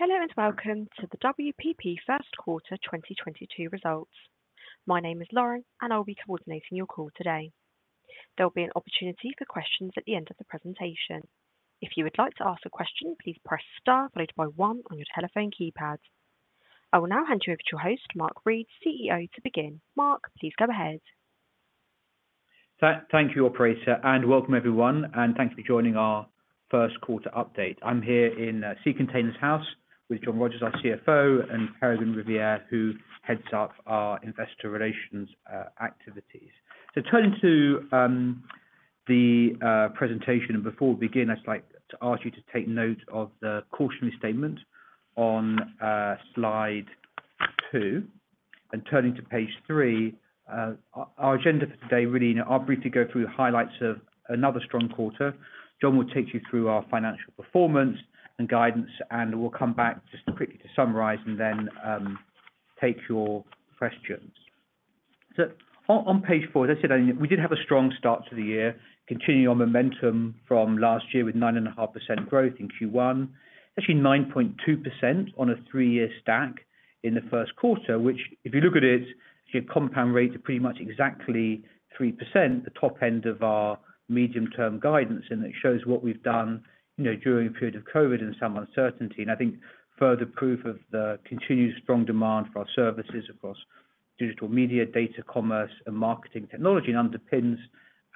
Hello, and welcome to the WPP first quarter 2022 results. My name is Lauren, and I'll be coordinating your call today. There'll be an opportunity for questions at the end of the presentation. If you would like to ask a question, please press star followed by one on your telephone keypad. I will now hand you over to your host, Mark Read, CEO, to begin. Mark, please go ahead. Thank you, operator, and welcome everyone, and thanks for joining our first quarter update. I'm here in Sea Containers House with John Rogers, our CFO, and Peregrine Riviere, who heads up our Investor Relations activities. Turning to the presentation, and before we begin, I'd like to ask you to take note of the cautionary statement on slide two. Turning to page three, our agenda for today, really, I'll briefly go through the highlights of another strong quarter. John will take you through our financial performance and guidance, and we'll come back just quickly to summarize and then take your questions. On page four, as I said earlier, we did have a strong start to the year, continuing our momentum from last year with 9.5% growth in Q1. Actually 9.2% on a three-year stack in the first quarter, which if you look at it's your compound rate to pretty much exactly 3%, the top end of our medium-term guidance. It shows what we've done, you know, during a period of COVID and some uncertainty. I think further proof of the continued strong demand for our services across digital media, data commerce, and marketing technology underpins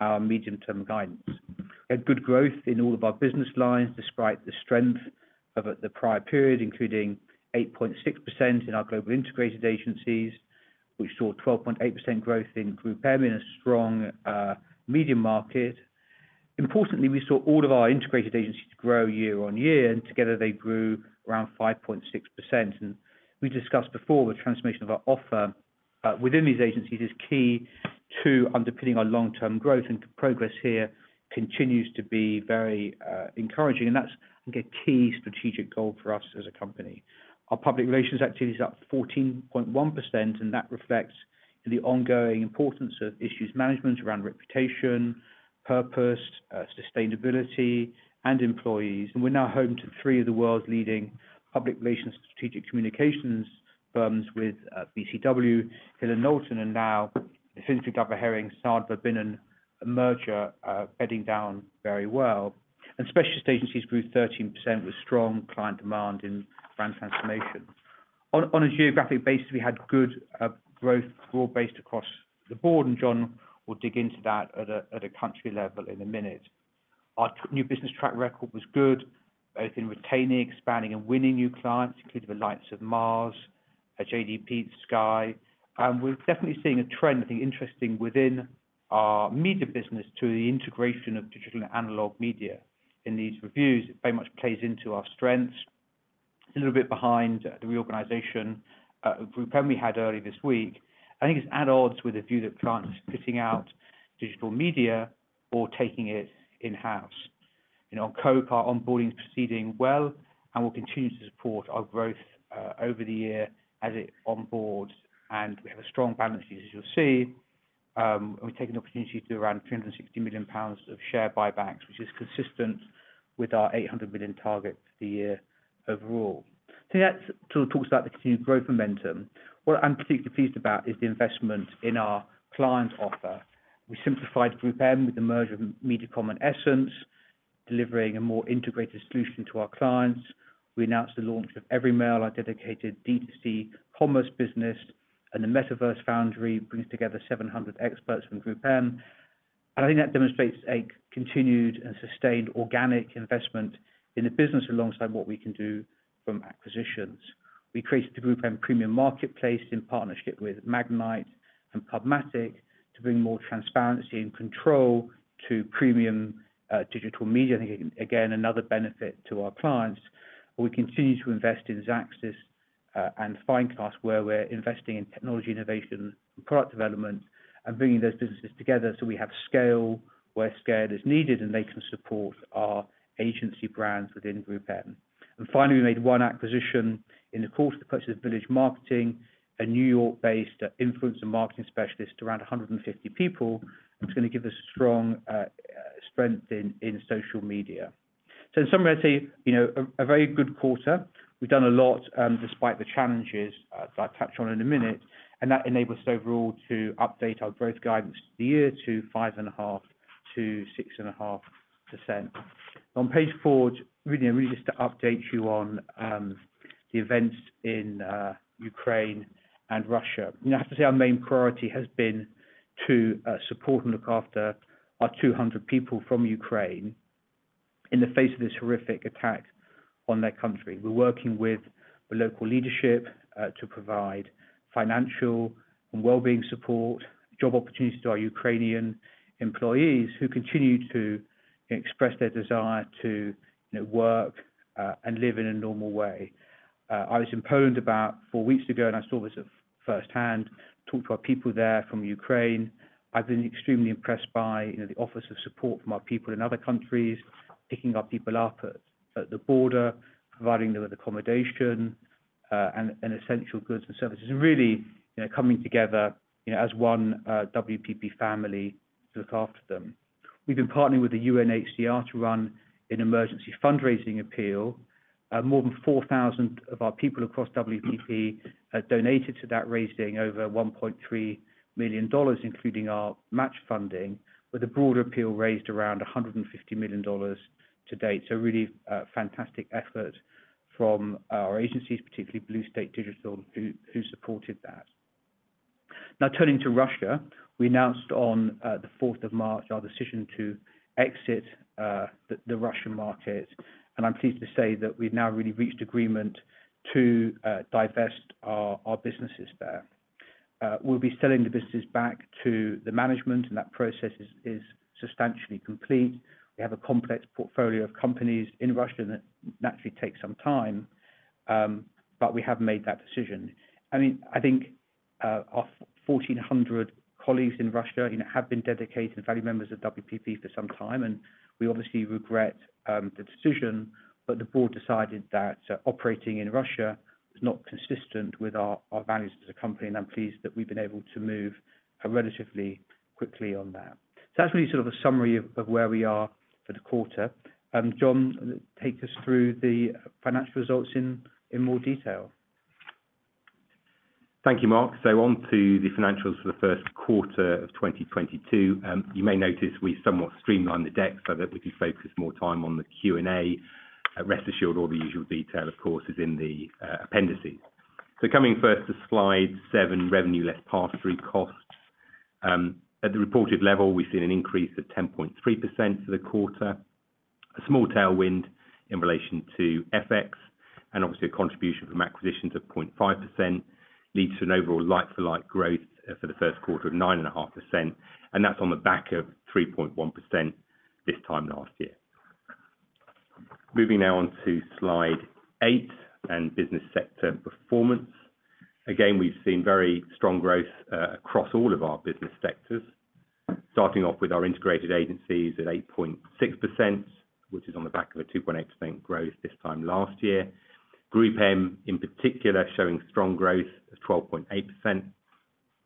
our medium-term guidance. We had good growth in all of our business lines despite the strength of the prior period, including 8.6% in our global integrated agencies. We saw 12.8% growth in GroupM in a strong media market. Importantly, we saw all of our integrated agencies grow year on year, and together they grew around 5.6%. We discussed before the transformation of our offer within these agencies is key to underpinning our long-term growth, and progress here continues to be very encouraging. That's, I think, a key strategic goal for us as a company. Our public relations activity is up 14.1%, and that reflects the ongoing importance of issues management around reputation, purpose, sustainability, and employees. We're now home to three of the world's leading public relations strategic communications firms with BCW, Hill & Knowlton, and now the Finsbury Glover Hering and Sard Verbinnen merger bedding down very well. Specialist Agencies grew 13% with strong client demand in brand transformation. On a geographic basis, we had good growth broad-based across the board, and John will dig into that at a country level in a minute. Our new business track record was good, both in retaining, expanding, and winning new clients, including the likes of Mars, JDE Peet's, Sky. We're definitely seeing a trend, I think, interesting within our media business to the integration of digital and analog media in these reviews. It very much plays into our strengths. A little bit behind the reorganization, GroupM we had earlier this week. I think it's at odds with the view that clients are fitting out digital media or taking it in-house. You know, on Coke, our onboarding is proceeding well and will continue to support our growth, over the year as it onboards. We have a strong balance sheet, as you'll see. We've taken the opportunity to do around 360 million pounds of share buybacks, which is consistent with our 800 million target for the year overall. That sort of talks about the continued growth momentum. What I'm particularly pleased about is the investment in our client offer. We simplified GroupM with the merger of MediaCom and Essence, delivering a more integrated solution to our clients. We announced the launch of Everymile, our dedicated D2C commerce business, and the Metaverse Foundry brings together 700 experts from GroupM. I think that demonstrates a continued and sustained organic investment in the business alongside what we can do from acquisitions. We created the GroupM Premium Marketplace in partnership with Magnite and PubMatic to bring more transparency and control to premium digital media. I think again, another benefit to our clients. We continue to invest in Xaxis and Finecast, where we're investing in technology innovation and product development and bringing those businesses together so we have scale where scale is needed, and they can support our agency brands within GroupM. Finally, we made one acquisition in the course of the purchase of Village Marketing, a New York-based influencer marketing specialist, around 150 people, which is gonna give us a strong strength in social media. In summary, I'd say a very good quarter. We've done a lot despite the challenges as I touch on in a minute, and that enables us overall to update our growth guidance for the year to 5.5%-6.5%. On page four, really just to update you on the events in Ukraine and Russia. You know, I have to say our main priority has been to support and look after our 200 people from Ukraine in the face of this horrific attack on their country. We're working with the local leadership to provide financial and well-being support, job opportunities to our Ukrainian employees who continue to express their desire to, you know, work and live in a normal way. I was in Poland about four weeks ago, and I saw this firsthand, talked to our people there from Ukraine. I've been extremely impressed by, you know, the offers of support from our people in other countries, picking our people up at the border, providing them with accommodation, and essential goods and services, and really, you know, coming together, you know, as one WPP family to look after them. We've been partnering with the UNHCR to run an emergency fundraising appeal. More than 4,000 of our people across WPP have donated to that, raising over $1.3 million, including our match funding, with a broader appeal raised around $150 million to date. Really, fantastic effort from our agencies, particularly Blue State Digital, who supported that. Now, turning to Russia, we announced on the March 4th our decision to exit the Russian market. I'm pleased to say that we've now really reached agreement to divest our businesses there. We'll be selling the businesses back to the management, and that process is substantially complete. We have a complex portfolio of companies in Russia, and that naturally takes some time, but we have made that decision. I mean, I think our 1,400 colleagues in Russia, you know, have been dedicated, valued members of WPP for some time, and we obviously regret the decision. The Board decided that operating in Russia is not consistent with our values as a company, and I'm pleased that we've been able to move relatively quickly on that. That's really sort of a summary of where we are for the quarter. John, take us through the financial results in more detail. Thank you, Mark. On to the financials for the first quarter of 2022. You may notice we somewhat streamlined the deck so that we could focus more time on the Q&A. Rest assured, all the usual detail, of course, is in the appendices. Coming first to slide seven, revenue less pass-through costs. At the reported level, we've seen an increase of 10.3% for the quarter. A small tailwind in relation to FX, and obviously a contribution from acquisitions of 0.5% leads to an overall like-for-like growth for the first quarter of 9.5%, and that's on the back of 3.1% this time last year. Moving now on to slide eight and business sector performance. Again, we've seen very strong growth across all of our business sectors. Starting off with our Integrated Agencies at 8.6%, which is on the back of a 2.8% growth this time last year. GroupM in particular showing strong growth of 12.8%,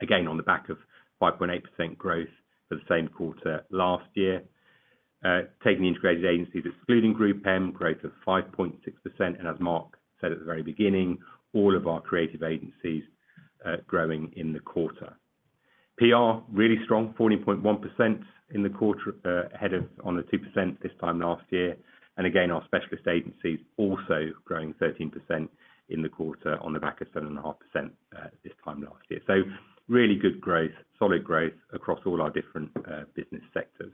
again, on the back of 5.8% growth for the same quarter last year. Taking the Integrated Agencies excluding GroupM, growth of 5.6%. As Mark said at the very beginning, all of our creative agencies growing in the quarter. PR, really strong, 14.1% in the quarter, ahead of 2% this time last year. Again, our specialist agencies also growing 13% in the quarter on the back of 7.5%, this time last year. Really good growth, solid growth across all our different business sectors.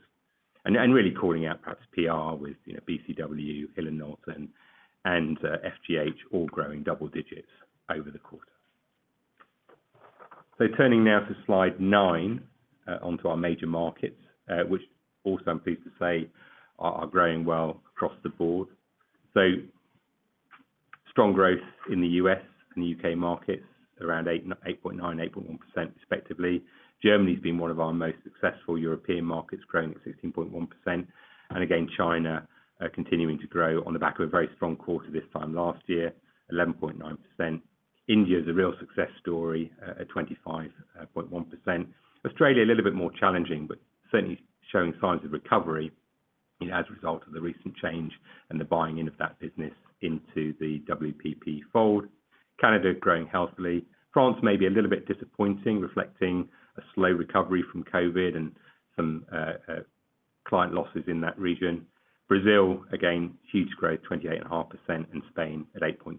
Really calling out perhaps PR with, you know, BCW, Hill & Knowlton and, FGH all growing double digits over the quarter. Turning now to slide nine onto our major markets, which also I'm pleased to say are growing well across the board. Strong growth in the U.S. and the U.K. markets, around 8.9, 8.1% respectively. Germany's been one of our most successful European markets, growing at 16.1%. China continuing to grow on the back of a very strong quarter this time last year, 11.9%. India is a real success story at 25.1%. Australia, a little bit more challenging, but certainly showing signs of recovery, you know, as a result of the recent change and the buying in of that business into the WPP fold. Canada growing healthily. France may be a little bit disappointing, reflecting a slow recovery from COVID and some client losses in that region. Brazil, again, huge growth, 28.5%, and Spain at 8.2%.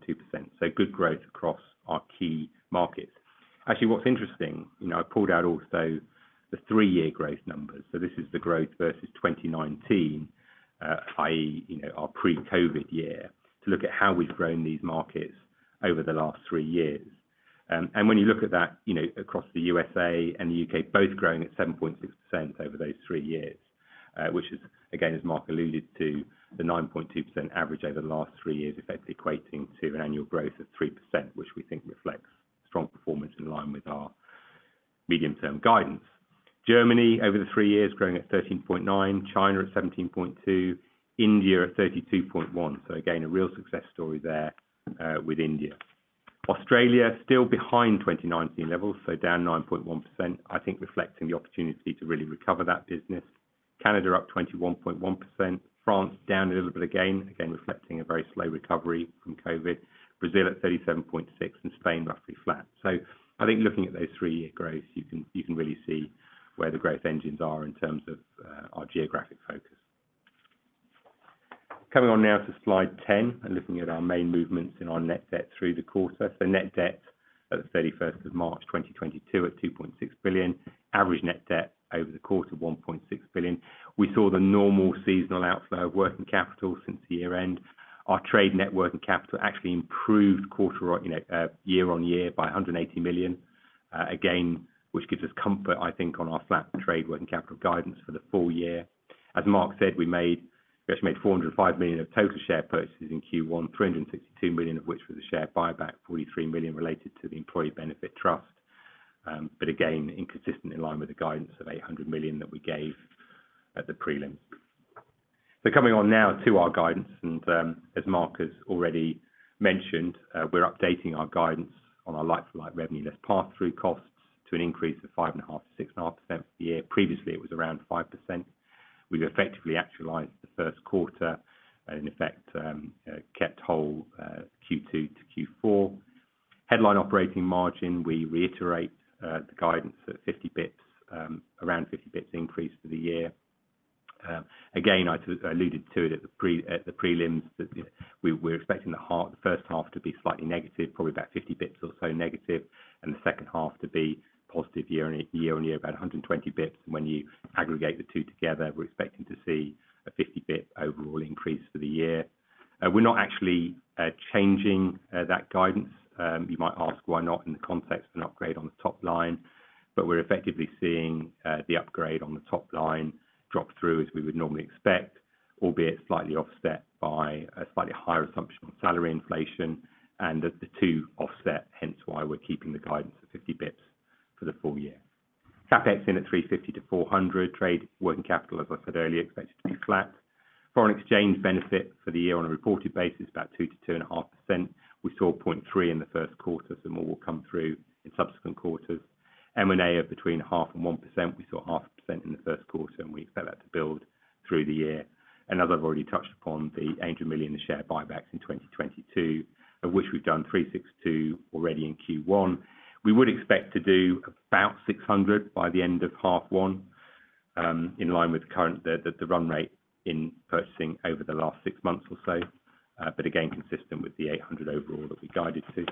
So good growth across our key markets. Actually, what's interesting, you know, I pulled out also the three-year growth numbers. So this is the growth versus 2019, i.e., you know, our pre-COVID year, to look at how we've grown these markets over the last three years. When you look at that, you know, across the U.S. and the U.K. both growing at 7.6% over those three years, which is again, as Mark alluded to, the 9.2% average over the last three years, effectively equating to an annual growth of 3%, which we think reflects strong performance in line with our medium-term guidance. Germany over the three years growing at 13.9%, China at 17.2%, India at 32.1%. Again, a real success story there with India. Australia still behind 2019 levels, so down 9.1%, I think reflecting the opportunity to really recover that business. Canada up 21.1%. France down a little bit again, reflecting a very slow recovery from COVID. Brazil at 37.6% and Spain roughly flat. I think looking at those three-year growths, you can really see where the growth engines are in terms of our geographic focus. Coming on now to slide 10 and looking at our main movements in our net debt through the quarter. Net debt on March 31, 2022, at 2.6 billion. Average net debt over the quarter, 1.6 billion. We saw the normal seasonal outflow of working capital since the year-end. Our trade net working capital actually improved quarter-on-quarter, or you know, year-on-year by 180 million, again, which gives us comfort, I think, on our flat trade working capital guidance for the full year. As Mark said, we made... We actually made 405 million of total share purchases in Q1, 362 million of which was a share buyback, 43 million related to the employee benefit trust. Again, in line with the guidance of 800 million that we gave at the prelim. Coming on now to our guidance, as Mark has already mentioned, we're updating our guidance on our like-for-like revenue less pass-through costs to an increase of 5.5%-6.5% for the year. Previously, it was around 5%. We've effectively actualized the first quarter, and in effect, kept whole Q2-Q4. Headline operating margin, we reiterate the guidance at 50 basis points, around 50 basis points increase for the year. Again, I alluded to it at the prelims that we're expecting the first half to be slightly negative, probably about 50 basis points or so negative, and the second half to be positive year-on-year, about 120 basis points. When you aggregate the two together, we're expecting to see a 50 basis points overall increase for the year. We're not actually changing that guidance. You might ask why not in the context of an upgrade on the top line, but we're effectively seeing the upgrade on the top line drop through as we would normally expect, albeit slightly offset by a slightly higher assumption on salary inflation and that the two offset, hence why we're keeping the guidance at 50 basis points for the full year. CapEx in at 350 million-400 million. Trade working capital, as I said earlier, expected to be flat. Foreign exchange benefit for the year on a reported basis, about 2%-2.5%. We saw 0.3% in the first quarter, some more will come through in subsequent quarters. M&A of between 0.5%-1%. We saw 0.5% in the first quarter, and we expect that to build through the year. As I've already touched upon, the 800 million share buybacks in 2022, of which we've done 362 million already in Q1. We would expect to do about 600 million by the end of H1, in line with the current run rate in purchasing over the last six months or so, but again, consistent with the 800 overall that we guided to.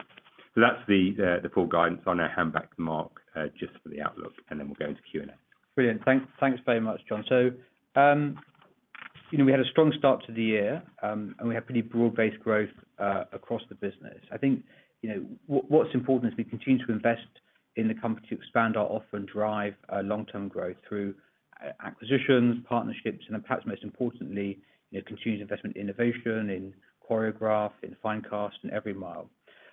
That's the full guidance. I'm gonna hand back to Mark just for the outlook, and then we'll go into Q&A. Brilliant. Thanks very much, John. You know, we had a strong start to the year, and we have pretty broad-based growth across the business. I think, you know, what's important is we continue to invest in the company to expand our offer and drive long-term growth through acquisitions, partnerships, and perhaps most importantly, you know, continued investment in innovation, in Choreograph, in Finecast, in Everymile.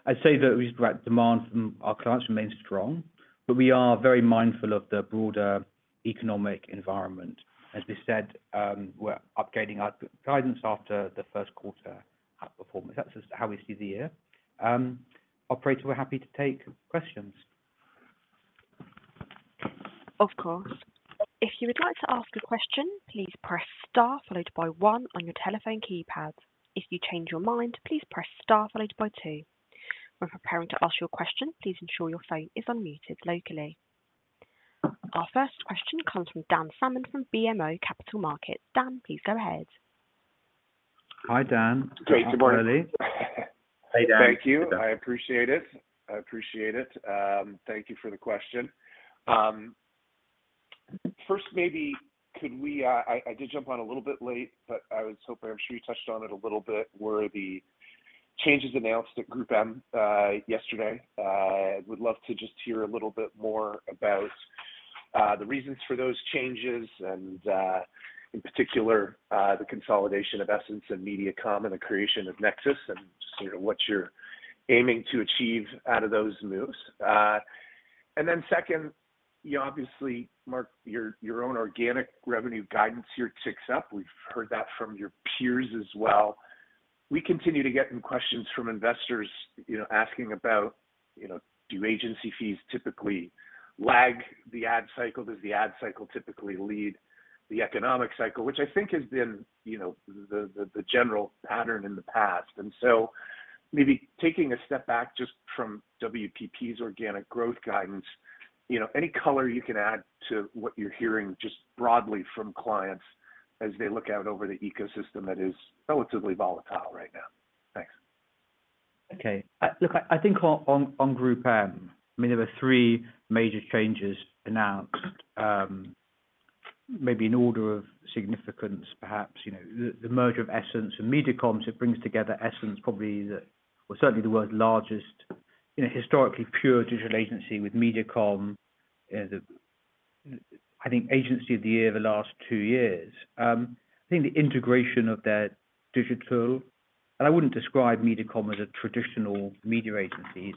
I'd say that the demand from our clients remains strong, but we are very mindful of the broader economic environment. As we said, we're upgrading our guidance after the first quarter outperformance. That's just how we see the year. Operator, we're happy to take questions. Of course. If you would like to ask a question, please press star followed by one on your telephone keypad. If you change your mind, please press star followed by two. When preparing to ask your question, please ensure your phone is unmuted locally. Our first question comes from Dan Salmon from BMO Capital Markets. Dan, please go ahead. Hi, Dan. Great to have you. It's early. Hey, Dan. Thank you. I appreciate it. Thank you for the question. First, maybe could we. I did jump on a little bit late, but I was hoping, I'm sure you touched on it a little bit, were the changes announced at GroupM yesterday. Would love to just hear a little bit more about the reasons for those changes and, in particular, the consolidation of Essence and MediaCom, and the creation of Nexus, and just, you know, what you're aiming to achieve out of those moves. Then second, you know, obviously, Mark, your own organic revenue guidance here ticks up. We've heard that from your peers as well. We continue to get some questions from investors, you know, asking about, you know, do agency fees typically lag the ad cycle? Does the ad cycle typically lead the economic cycle? Which I think has been, you know, the general pattern in the past. Maybe taking a step back just from WPP's organic growth guidance, you know, any color you can add to what you're hearing just broadly from clients as they look out over the ecosystem that is relatively volatile right now. Thanks. Okay. Look, I think on GroupM, I mean, there were three major changes announced. Maybe in order of significance, perhaps, you know, the merger of Essence and MediaCom, so it brings together Essence, probably or certainly the world's largest, you know, historically pure digital agency with MediaCom, the, I think, Agency of the year the last two years. I think the integration of their digital, and I wouldn't describe MediaCom as a traditional media agency.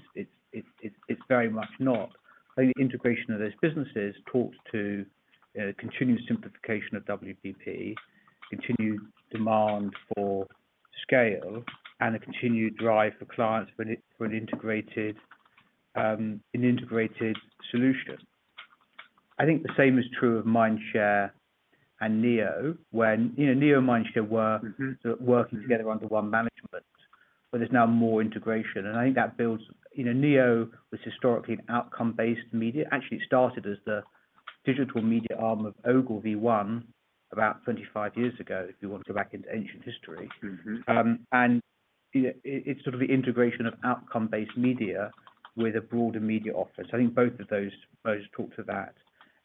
It's very much not. I think the integration of those businesses talks to continued simplification of WPP, continued demand for scale, and a continued drive for clients for an integrated solution. I think the same is true of Mindshare and Neo, when... You know, Neo and Mindshare were- Mm-hmm Working together under one management, but there's now more integration. I think that builds. You know, Neo was historically an outcome-based media. Actually, it started as the digital media arm of OgilvyOne about 25 years ago, if you want to go back into ancient history. Mm-hmm. You know, it's sort of the integration of outcome-based media with a broader media office. I think both of those talk to that.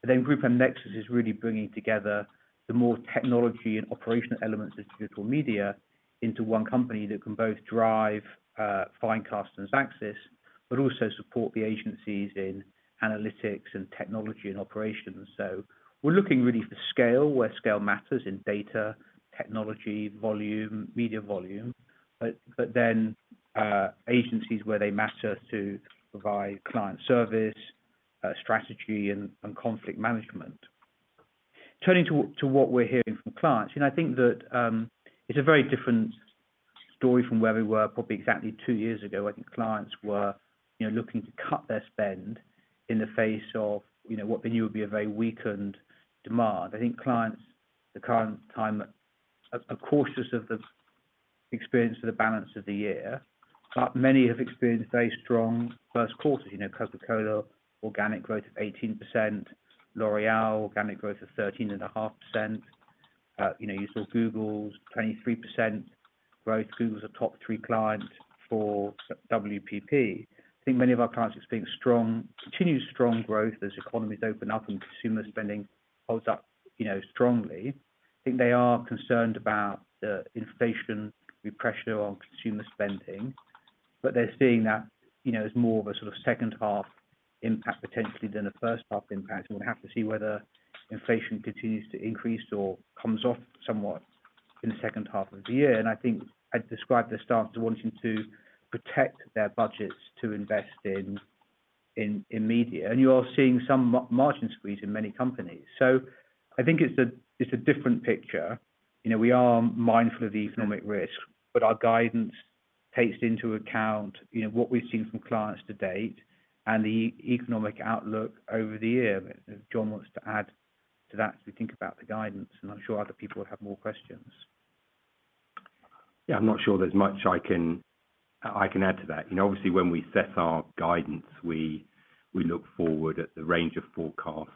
GroupM Nexus is really bringing together the more technology and operational elements of digital media into one company that can both drive Finecast and Xaxis, but also support the agencies in analytics and technology and operations. We're looking really for scale, where scale matters in data, technology, volume, media volume. Agencies where they matter to provide client service, strategy and conflict management. Turning to what we're hearing from clients, you know, I think that it's a very different story from where we were probably exactly two years ago. I think clients were, you know, looking to cut their spend in the face of, you know, what they knew would be a very weakened demand. I think clients at the current time are cautious of the experience for the balance of the year, but many have experienced very strong first quarter. You know, Coca-Cola, organic growth of 18%, L'Oréal, organic growth of 13.5%. You know, you saw Google's 23% growth. Google's a top three client for WPP. I think many of our clients are seeing strong, continued strong growth as economies open up and consumer spending holds up, you know, strongly. I think they are concerned about the inflation pressure on consumer spending, but they're seeing that, you know, as more of a sort of second half impact potentially than a first half impact. We'll have to see whether inflation continues to increase or comes off somewhat in the second half of the year. I think I'd describe their stance as wanting to protect their budgets to invest in media. You are seeing some margin squeeze in many companies. I think it's a different picture. You know, we are mindful of the economic risk, but our guidance takes into account, you know, what we've seen from clients to date and the economic outlook over the year. If John wants to add to that as we think about the guidance, and I'm sure other people will have more questions. Yeah. I'm not sure there's much I can add to that. You know, obviously when we set our guidance, we look forward at the range of forecasts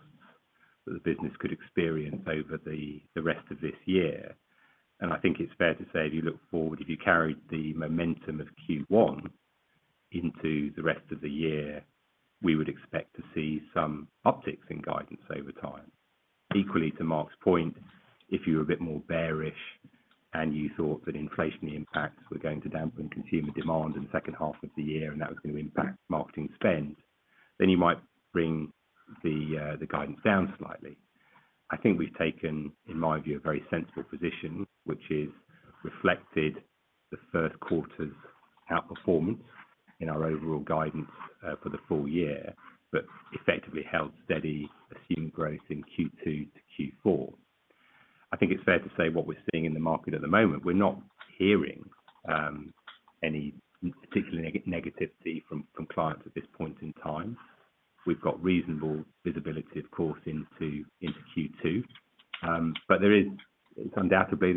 that the business could experience over the rest of this year. I think it's fair to say if you look forward, if you carried the momentum of Q1 into the rest of the year, we would expect to see some upticks in guidance over time. Equally, to Mark's point, if you're a bit more bearish and you thought that inflationary impacts were going to dampen consumer demand in the second half of the year and that was gonna impact marketing spend, then you might bring the guidance down slightly. I think we've taken, in my view, a very sensible position, which is reflected in the first quarter's outperformance in our overall guidance for the full year, but effectively held steady assumed growth in Q2-Q4. I think it's fair to say what we're seeing in the market at the moment, we're not hearing any particular negativity from clients at this point in time. We've got reasonable visibility, of course, into Q2. But there is undoubtedly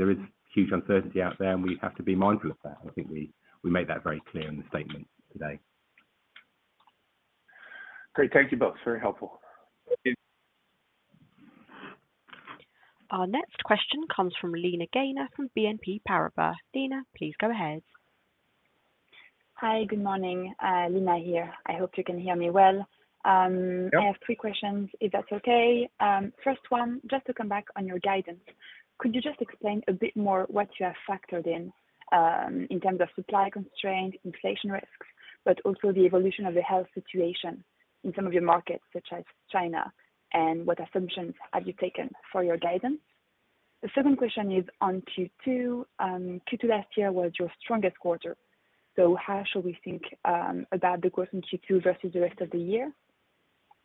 huge uncertainty out there, and we have to be mindful of that. I think we made that very clear in the statement today. Great. Thank you both. Very helpful. Thank you. Our next question comes from Lina Ghayor from Exane BNP Paribas. Lina, please go ahead. Hi. Good morning. Lina here. I hope you can hear me well. Yeah. I have three questions, if that's okay. First one, just to come back on your guidance, could you just explain a bit more what you have factored in terms of supply constraint, inflation risks, but also the evolution of the health situation in some of your markets, such as China, and what assumptions have you taken for your guidance? The second question is on Q2. Q2 last year was your strongest quarter, so how should we think about the growth in Q2 versus the rest of the year?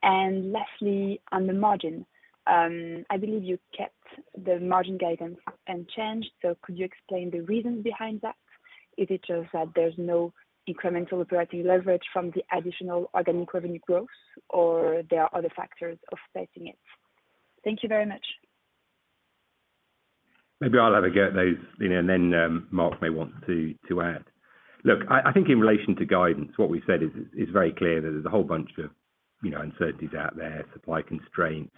Lastly, on the margin, I believe you kept the margin guidance unchanged, so could you explain the reason behind that? Is it just that there's no incremental operating leverage from the additional organic revenue growth, or there are other factors affecting it? Thank you very much. Maybe I'll have a go at those, Lina, and then Mark may want to add. Look, I think in relation to guidance, what we said is very clear that there's a whole bunch of, you know, uncertainties out there, supply constraints,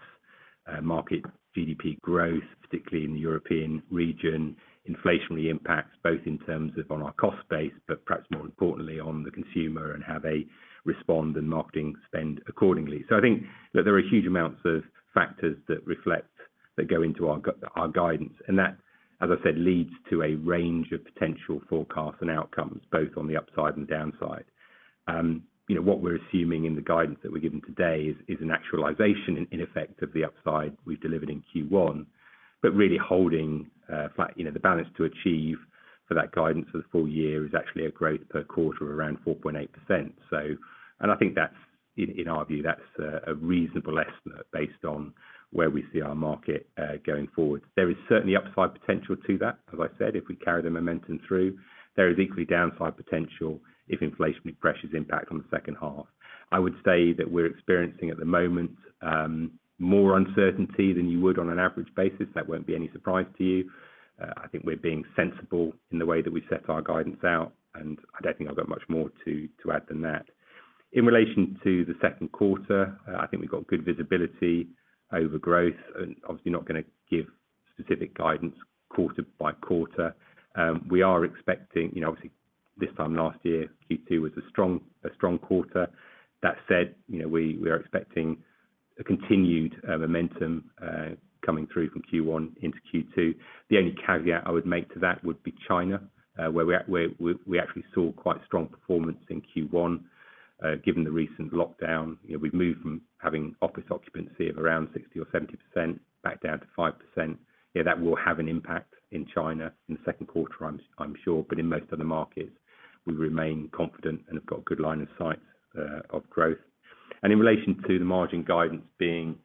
market GDP growth, particularly in the European region, inflationary impacts, both in terms of on our cost base, but perhaps more importantly on the consumer and how they respond and marketing spend accordingly. I think that there are huge amounts of factors that go into our guidance, and that, as I said, leads to a range of potential forecasts and outcomes, both on the upside and downside. You know, what we're assuming in the guidance that we're giving today is an actualization, in effect, of the upside we've delivered in Q1, but really holding flat. You know, the balance to achieve for that guidance for the full year is actually a growth per quarter of around 4.8%. I think that's in our view a reasonable estimate based on where we see our market going forward. There is certainly upside potential to that, as I said, if we carry the momentum through. There is equally downside potential if inflationary pressures impact on the second half. I would say that we're experiencing, at the moment, more uncertainty than you would on an average basis. That won't be any surprise to you. I think we're being sensible in the way that we set our guidance out, and I don't think I've got much more to add than that. In relation to the second quarter, I think we've got good visibility over growth and obviously not gonna give specific guidance quarter by quarter. We are expecting obviously this time last year, Q2 was a strong quarter. That said, we are expecting a continued momentum coming through from Q1 into Q2. The only caveat I would make to that would be China, where we actually saw quite strong performance in Q1. Given the recent lockdown, we've moved from having office occupancy of around 60% or 70% back down to 5%. That will have an impact in China in the second quarter, I'm sure. In most other markets, we remain confident and have got good line of sight of growth. In relation to the margin guidance being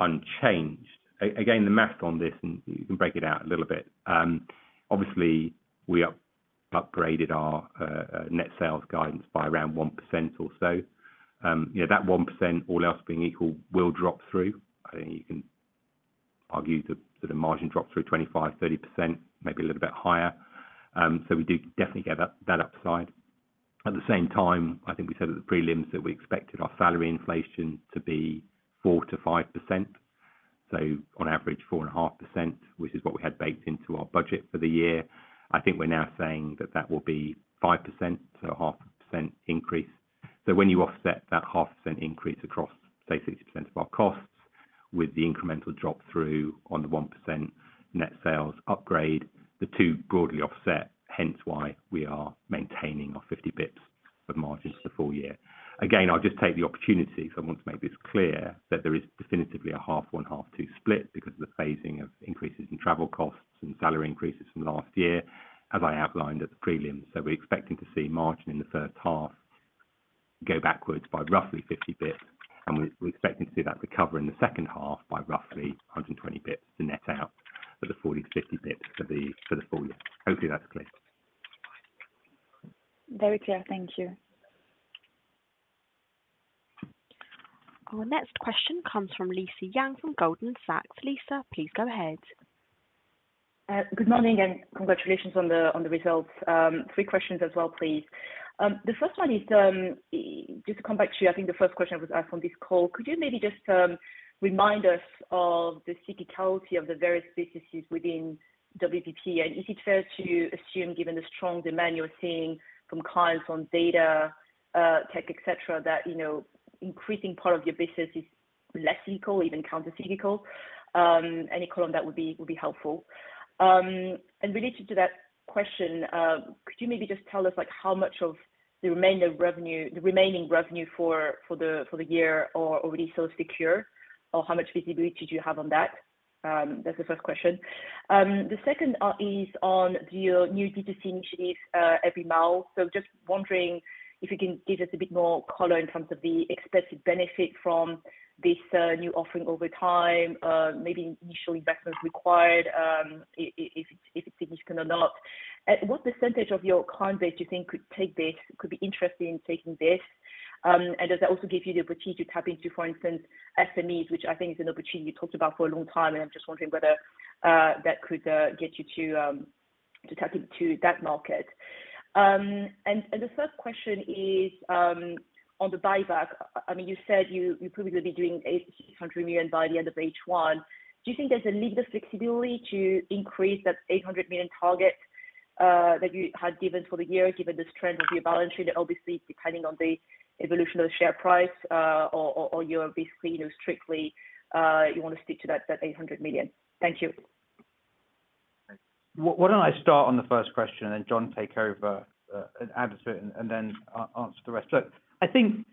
unchanged, again, the math on this, and you can break it out a little bit, obviously we upgraded our net sales guidance by around 1% or so. You know, that 1%, all else being equal, will drop through. I think you can argue that the margin dropped through 25%-30%, maybe a little bit higher. So we do definitely get that upside. At the same time, I think we said at the prelims that we expected our salary inflation to be 4%-5%. On average, 4.5%, which is what we had baked into our budget for the year. I think we're now saying that will be 5%, so a half percent increase. When you offset that half percent increase across, say, 60% of our costs with the incremental drop through on the 1% net sales upgrade, the two broadly offset, hence why we are maintaining our 50 bps of margin for the full year. Again, I'll just take the opportunity 'cause I want to make this clear that there is definitively a half one, half two split because of the phasing of increases in travel costs and salary increases from last year, as I outlined at the prelim. We're expecting to see margin in the first half go backwards by roughly 50 basis points, and we're expecting to see that recover in the second half by roughly 120 basis points to net out for the 40 basis points-50 basis points for the full year. Hopefully that's clear. Very clear. Thank you. Our next question comes from Lisa Yang from Goldman Sachs. Lisa, please go ahead. Good morning, and congratulations on the results. Three questions as well, please. The first one is just to come back to you. I think the first question that was asked on this call, could you maybe just remind us of the cyclicality of the various businesses within WPP? And is it fair to assume, given the strong demand you're seeing from clients on data, tech, et cetera, that, you know, increasing part of your business is less cyclical, even countercyclical? Any color on that would be helpful. And related to that question, could you maybe just tell us, like, how much of the remaining revenue for the year is already so secure, or how much visibility do you have on that? That's the first question. The second is on your new D2C initiative, Everymile. Just wondering if you can give us a bit more color in terms of the expected benefit from this new offering over time, maybe initial investments required, if it's significant or not. What percentage of your client base do you think could be interested in taking this? Does that also give you the opportunity to tap into, for instance, SMEs, which I think is an opportunity you talked about for a long time, and I'm just wondering whether that could get you to tap into that market. The third question is on the buyback. I mean, you said you probably will be doing 600 million by the end of H1. Do you think there's a little flexibility to increase that 800 million target that you had given for the year, given the strength of your balance sheet, obviously, depending on the evolution of the share price, or you're basically, you know, strictly, you wanna stick to that 800 million? Thank you. Why don't I start on the first question and then, John, take over, and add to it and then answer the rest. Look, I think,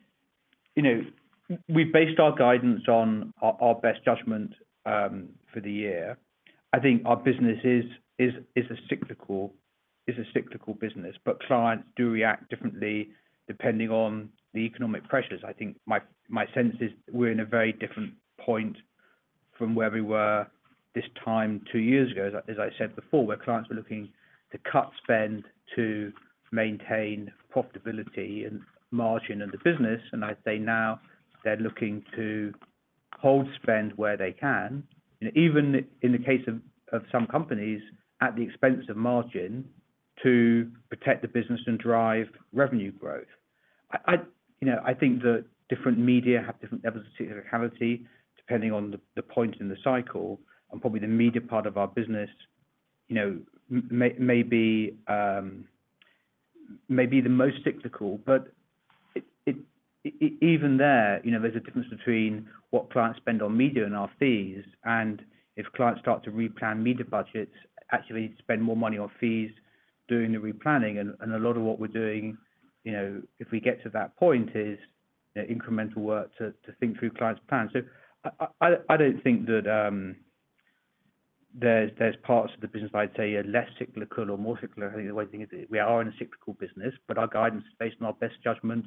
you know, we based our guidance on our best judgment for the year. I think our business is a cyclical business, but clients do react differently depending on the economic pressures. I think my sense is we're in a very different point from where we were this time two years ago, as I said before, where clients were looking to cut spend to maintain profitability and margin in the business. I'd say now they're looking to hold spend where they can, and even in the case of some companies, at the expense of margin, to protect the business and drive revenue growth. I you know, I think that different media have different levels of cyclicality depending on the point in the cycle. Probably the media part of our business, you know, may be the most cyclical. Even there, you know, there's a difference between what clients spend on media and our fees, and if clients start to replan media budgets, actually spend more money on fees doing the replanning. A lot of what we're doing, you know, if we get to that point, is incremental work to think through clients' plans. I don't think that there's parts of the business I'd say are less cyclical or more cyclical. I think the way to think is we are in a cyclical business, but our guidance is based on our best judgment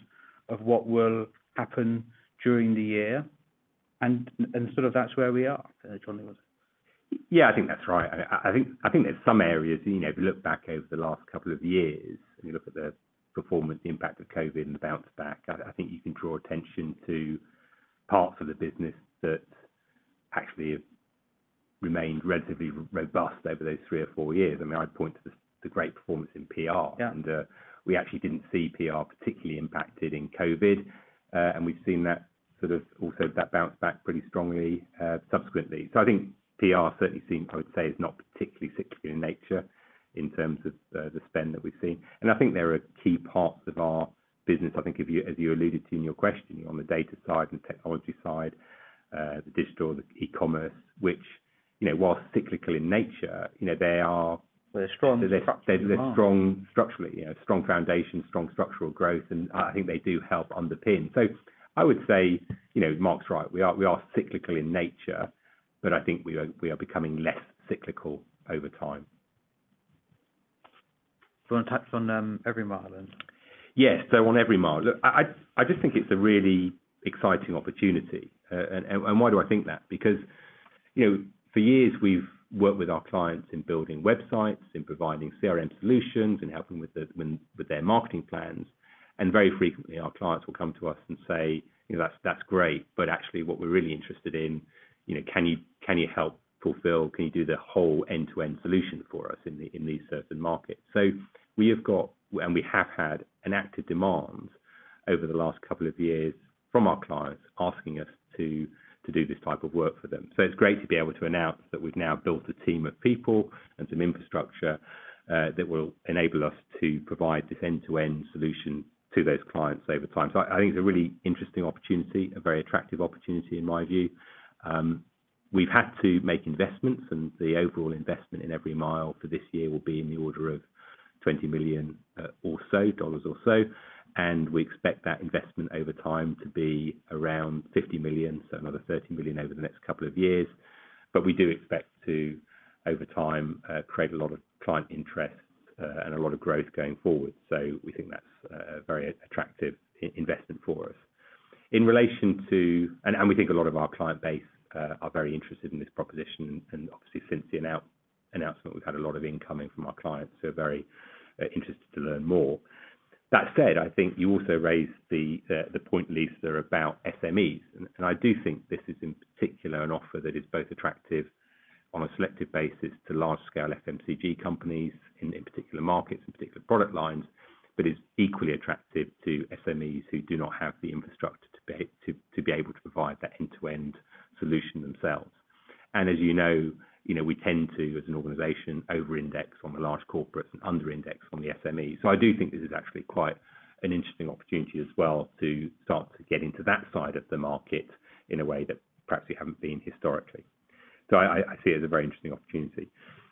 of what will happen during the year, and sort of that's where we are. John. Yeah, I think that's right. I think there's some areas, you know, if you look back over the last couple of years and you look at the performance impact of COVID and the bounce back, I think you can draw attention to parts of the business that actually have remained relatively robust over those three or four years. I mean, I'd point to the great performance in PR. Yeah. We actually didn't see PR particularly impacted in COVID. And we've seen that sort of also that bounce back pretty strongly, subsequently. I think PR certainly seems, I would say, is not particularly cyclical in nature in terms of the spend that we've seen. I think there are key parts of our business. As you alluded to in your question, on the data side and technology side, the digital, the e-commerce, which, you know, while cyclical in nature, you know, they're strong structurally, Mark, they're strong structurally. You know, strong foundation, strong structural growth, and I think they do help underpin. I would say, you know, Mark's right. We are cyclical in nature, but I think we are becoming less cyclical over time. Do you want to touch on Everymile then? Yes, on Everymile. Look, I just think it's a really exciting opportunity. And why do I think that? Because, you know, for years we've worked with our clients in building websites, in providing CRM solutions, in helping with their marketing plans. Very frequently, our clients will come to us and say, "You know, that's great, but actually what we're really interested in, you know, can you help fulfill? Can you do the whole end-to-end solution for us in these certain markets?" We have had an active demand over the last couple of years from our clients asking us to do this type of work for them. It's great to be able to announce that we've now built a team of people and some infrastructure that will enable us to provide this end-to-end solution to those clients over time. I think it's a really interesting opportunity, a very attractive opportunity in my view. We've had to make investments, and the overall investment in Everymile for this year will be in the order of $20 million or so, and we expect that investment over time to be around $50 million, so another $30 million over the next couple of years. We do expect to over time create a lot of client interest and a lot of growth going forward. We think that's a very attractive investment for us. In relation to We think a lot of our client base are very interested in this proposition. Obviously since the announcement, we've had a lot of incoming from our clients who are very interested to learn more. That said, I think you also raised the point, Lisa, about SMEs. I do think this is in particular an offer that is both attractive on a selective basis to large scale FMCG companies in particular markets and particular product lines, but is equally attractive to SMEs who do not have the infrastructure to be able to provide that end-to-end solution themselves. As you know, you know, we tend to, as an organization, over-index on the large corporates and under-index on the SMEs. I do think this is actually quite an interesting opportunity as well to start to get into that side of the market in a way that perhaps we haven't been historically. I see it as a very interesting opportunity.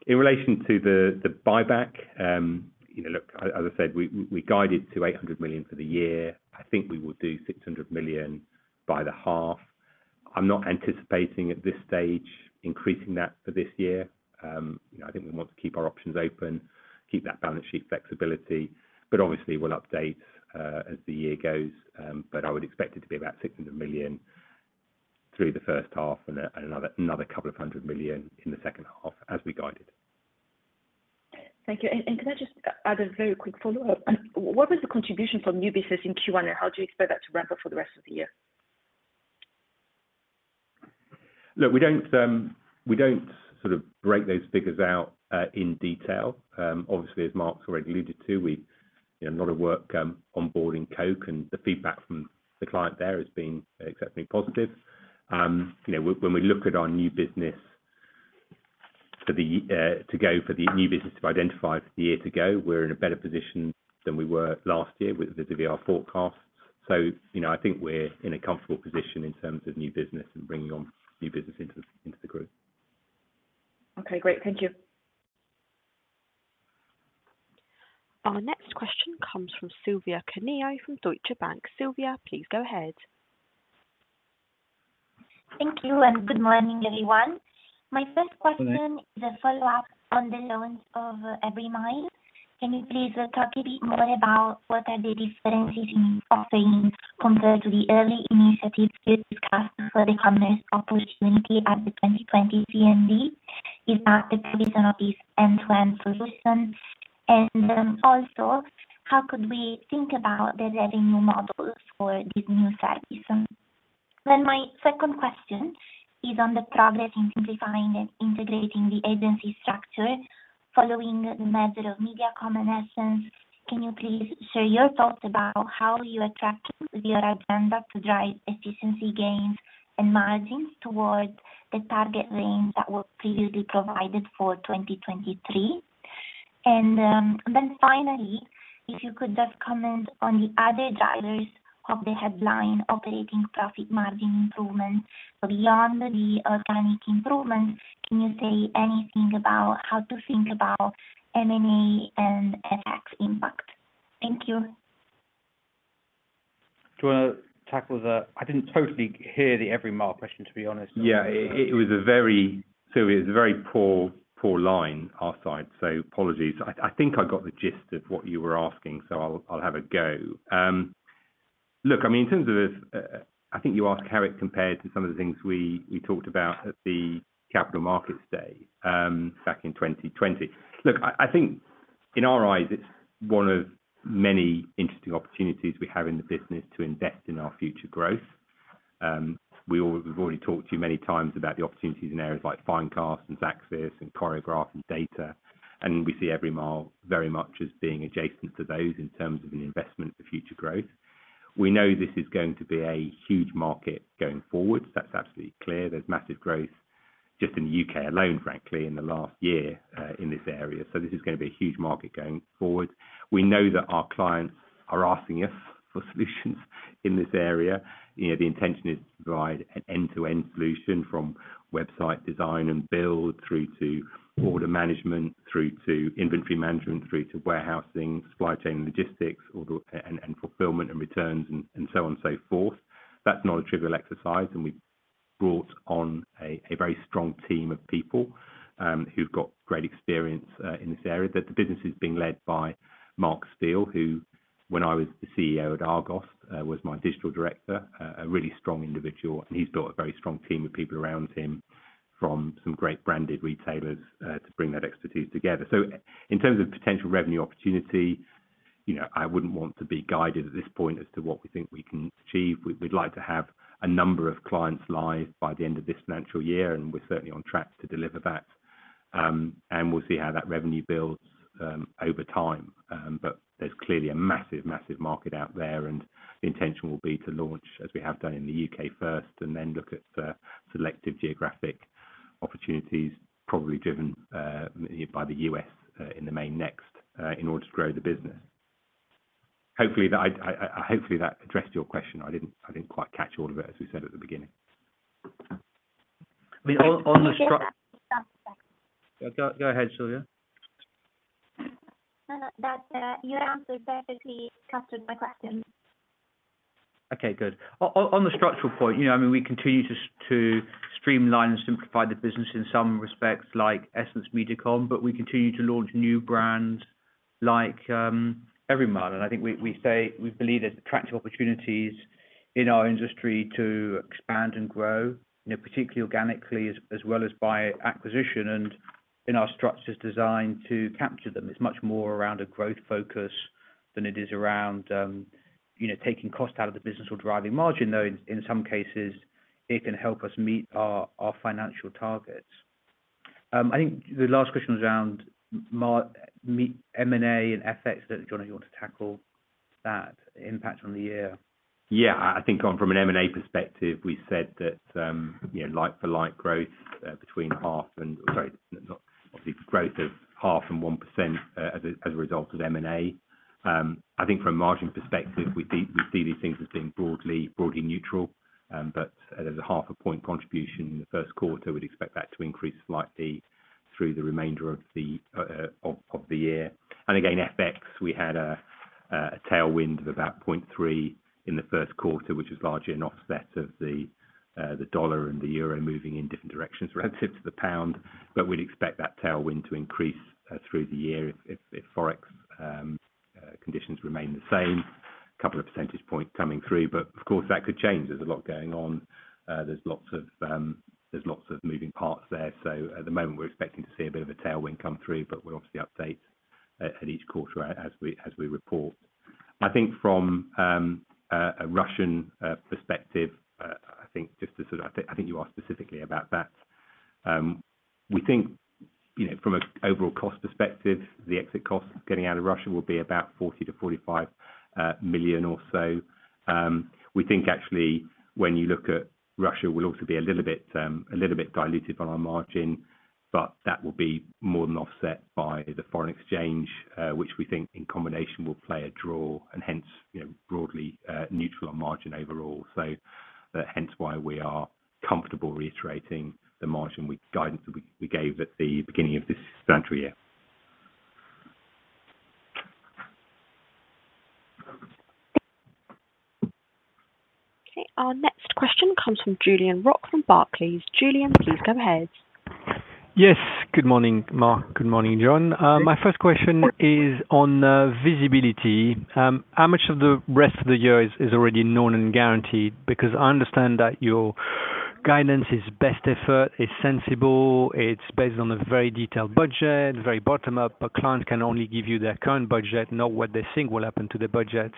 In relation to the buyback, as I said, we guided to 800 million for the year. I think we will do 600 million by the half. I'm not anticipating at this stage increasing that for this year. I think we want to keep our options open, keep that balance sheet flexibility, but obviously we'll update as the year goes. But I would expect it to be about 600 million through the first half and another couple of hundred million in the second half as we guided. Thank you. Can I just add a very quick follow-up? What was the contribution from new business in Q1, and how do you expect that to ramp up for the rest of the year? Look, we don't sort of break those figures out in detail. Obviously, as Mark's already alluded to, we you know a lot of work onboarding Coke, and the feedback from the client there has been exceptionally positive. You know, when we look at our new business for the year to go, we're in a better position than we were last year vis-à-vis our forecast. You know, I think we're in a comfortable position in terms of new business and bringing on new business into the Group. Okay, great. Thank you. Our next question comes from Silvia Cuneo from Deutsche Bank. Silvia, please go ahead. Thank you and good morning, everyone. Good morning. My first question is a follow-up on the launch of Everymile. Can you please talk a bit more about what are the differences in offering compared to the early initiatives you discussed for the commerce opportunity at the 2020 CMD? Is that the vision of this end-to-end solution? Also how could we think about the revenue models for this new service? My second question is on the progress in simplifying and integrating the agency structure following the merger of MediaCom and Essence. Can you please share your thoughts about how you attack your agenda to drive efficiency gains and margins towards the target range that were previously provided for 2023? Finally, if you could just comment on the other drivers of the headline operating profit margin improvement beyond the organic improvement. Can you say anything about how to think about M&A and tax impact? Thank you. I didn't totally hear the Everymile question, to be honest. Yeah. It was a very poor line on our side, so apologies. I think I got the gist of what you were asking, so I'll have a go. Look, I mean, in terms of this, I think you asked how it compared to some of the things we talked about at the Capital Markets Day back in 2020. Look, I think in our eyes, it's one of many interesting opportunities we have in the business to invest in our future growth. We've already talked to you many times about the opportunities in areas like Finecast and Xaxis and Choreograph and data, and we see Everymile very much as being adjacent to those in terms of an investment for future growth. We know this is going to be a huge market going forward. That's absolutely clear. There's massive growth just in the U.K. alone, frankly, in the last year in this area, so this is gonna be a huge market going forward. We know that our clients are asking us for solutions in this area. You know, the intention is to provide an end-to-end solution from website design and build, through to order management, through to inventory management, through to warehousing, supply chain logistics, order and fulfillment and returns and so on and so forth. That's not a trivial exercise, and we brought on a very strong team of people who've got great experience in this area that the business is being led by Mark Steel, who when I was the CEO at Argos was my Digital Director. A really strong individual, and he's built a very strong team of people around him from some great branded retailers to bring that expertise together. In terms of potential revenue opportunity, you know, I wouldn't want to be guided at this point as to what we think we can achieve. We'd like to have a number of clients live by the end of this financial year, and we're certainly on track to deliver that. We'll see how that revenue builds over time. There's clearly a massive market out there, and the intention will be to launch, as we have done in the U.K. first and then look at selective geographic opportunities, probably driven by the U.S. in the main next in order to grow the business. Hopefully that addressed your question. I didn't quite catch all of it, as we said at the beginning. We all- I think that. Go ahead, Silvia. No, no. That, your answer perfectly captured my question. Okay, good. On the structural point, you know, I mean, we continue to streamline and simplify the business in some respects, like EssenceMediacom, but we continue to launch new brands like Everymile. I think we say we believe there's attractive opportunities in our industry to expand and grow, you know, particularly organically as well as by acquisition. In our structures designed to capture them. It's much more around a growth focus than it is around, you know, taking cost out of the business or driving margin, though in some cases it can help us meet our financial targets. I think the last question was around M&A and FX. Don't know if you want to tackle that impact on the year. I think from an M&A perspective, we said that, you know, like-for-like growth of 0.5%-1% as a result of M&A. I think from a margin perspective, we see these things as being broadly neutral. But there's a 0.5 point contribution in the first quarter. We'd expect that to increase slightly through the remainder of the year. Again, FX, we had a tailwind of about 0.3% in the first quarter, which was largely an offset of the dollar and the euro moving in different directions relative to the pound. But we'd expect that tailwind to increase through the year if FX conditions remain the same. Couple of percentage points coming through, but of course, that could change. There's a lot going on. There's lots of moving parts there. At the moment, we're expecting to see a bit of a tailwind come through, but we'll obviously update at each quarter as we report. I think from a Russian perspective, I think you asked specifically about that. We think, you know, from an overall cost perspective, the exit cost getting out of Russia will be about 40 million-45 million or so. We think actually when you look at Russia, we'll also be a little bit diluted on our margin, but that will be more than offset by the foreign exchange, which we think in combination will play a drag and hence, you know, broadly neutral on margin overall. Hence why we are comfortable reiterating the margin guidance that we gave at the beginning of this financial year. Okay, our next question comes from Julien Roch from Barclays. Julien, please go ahead. Yes. Good morning, Mark. Good morning, John. My first question is on visibility. How much of the rest of the year is already known and guaranteed? Because I understand that your guidance is best effort, it's sensible, it's based on a very detailed budget, very bottom up, but clients can only give you their current budget, not what they think will happen to the budget.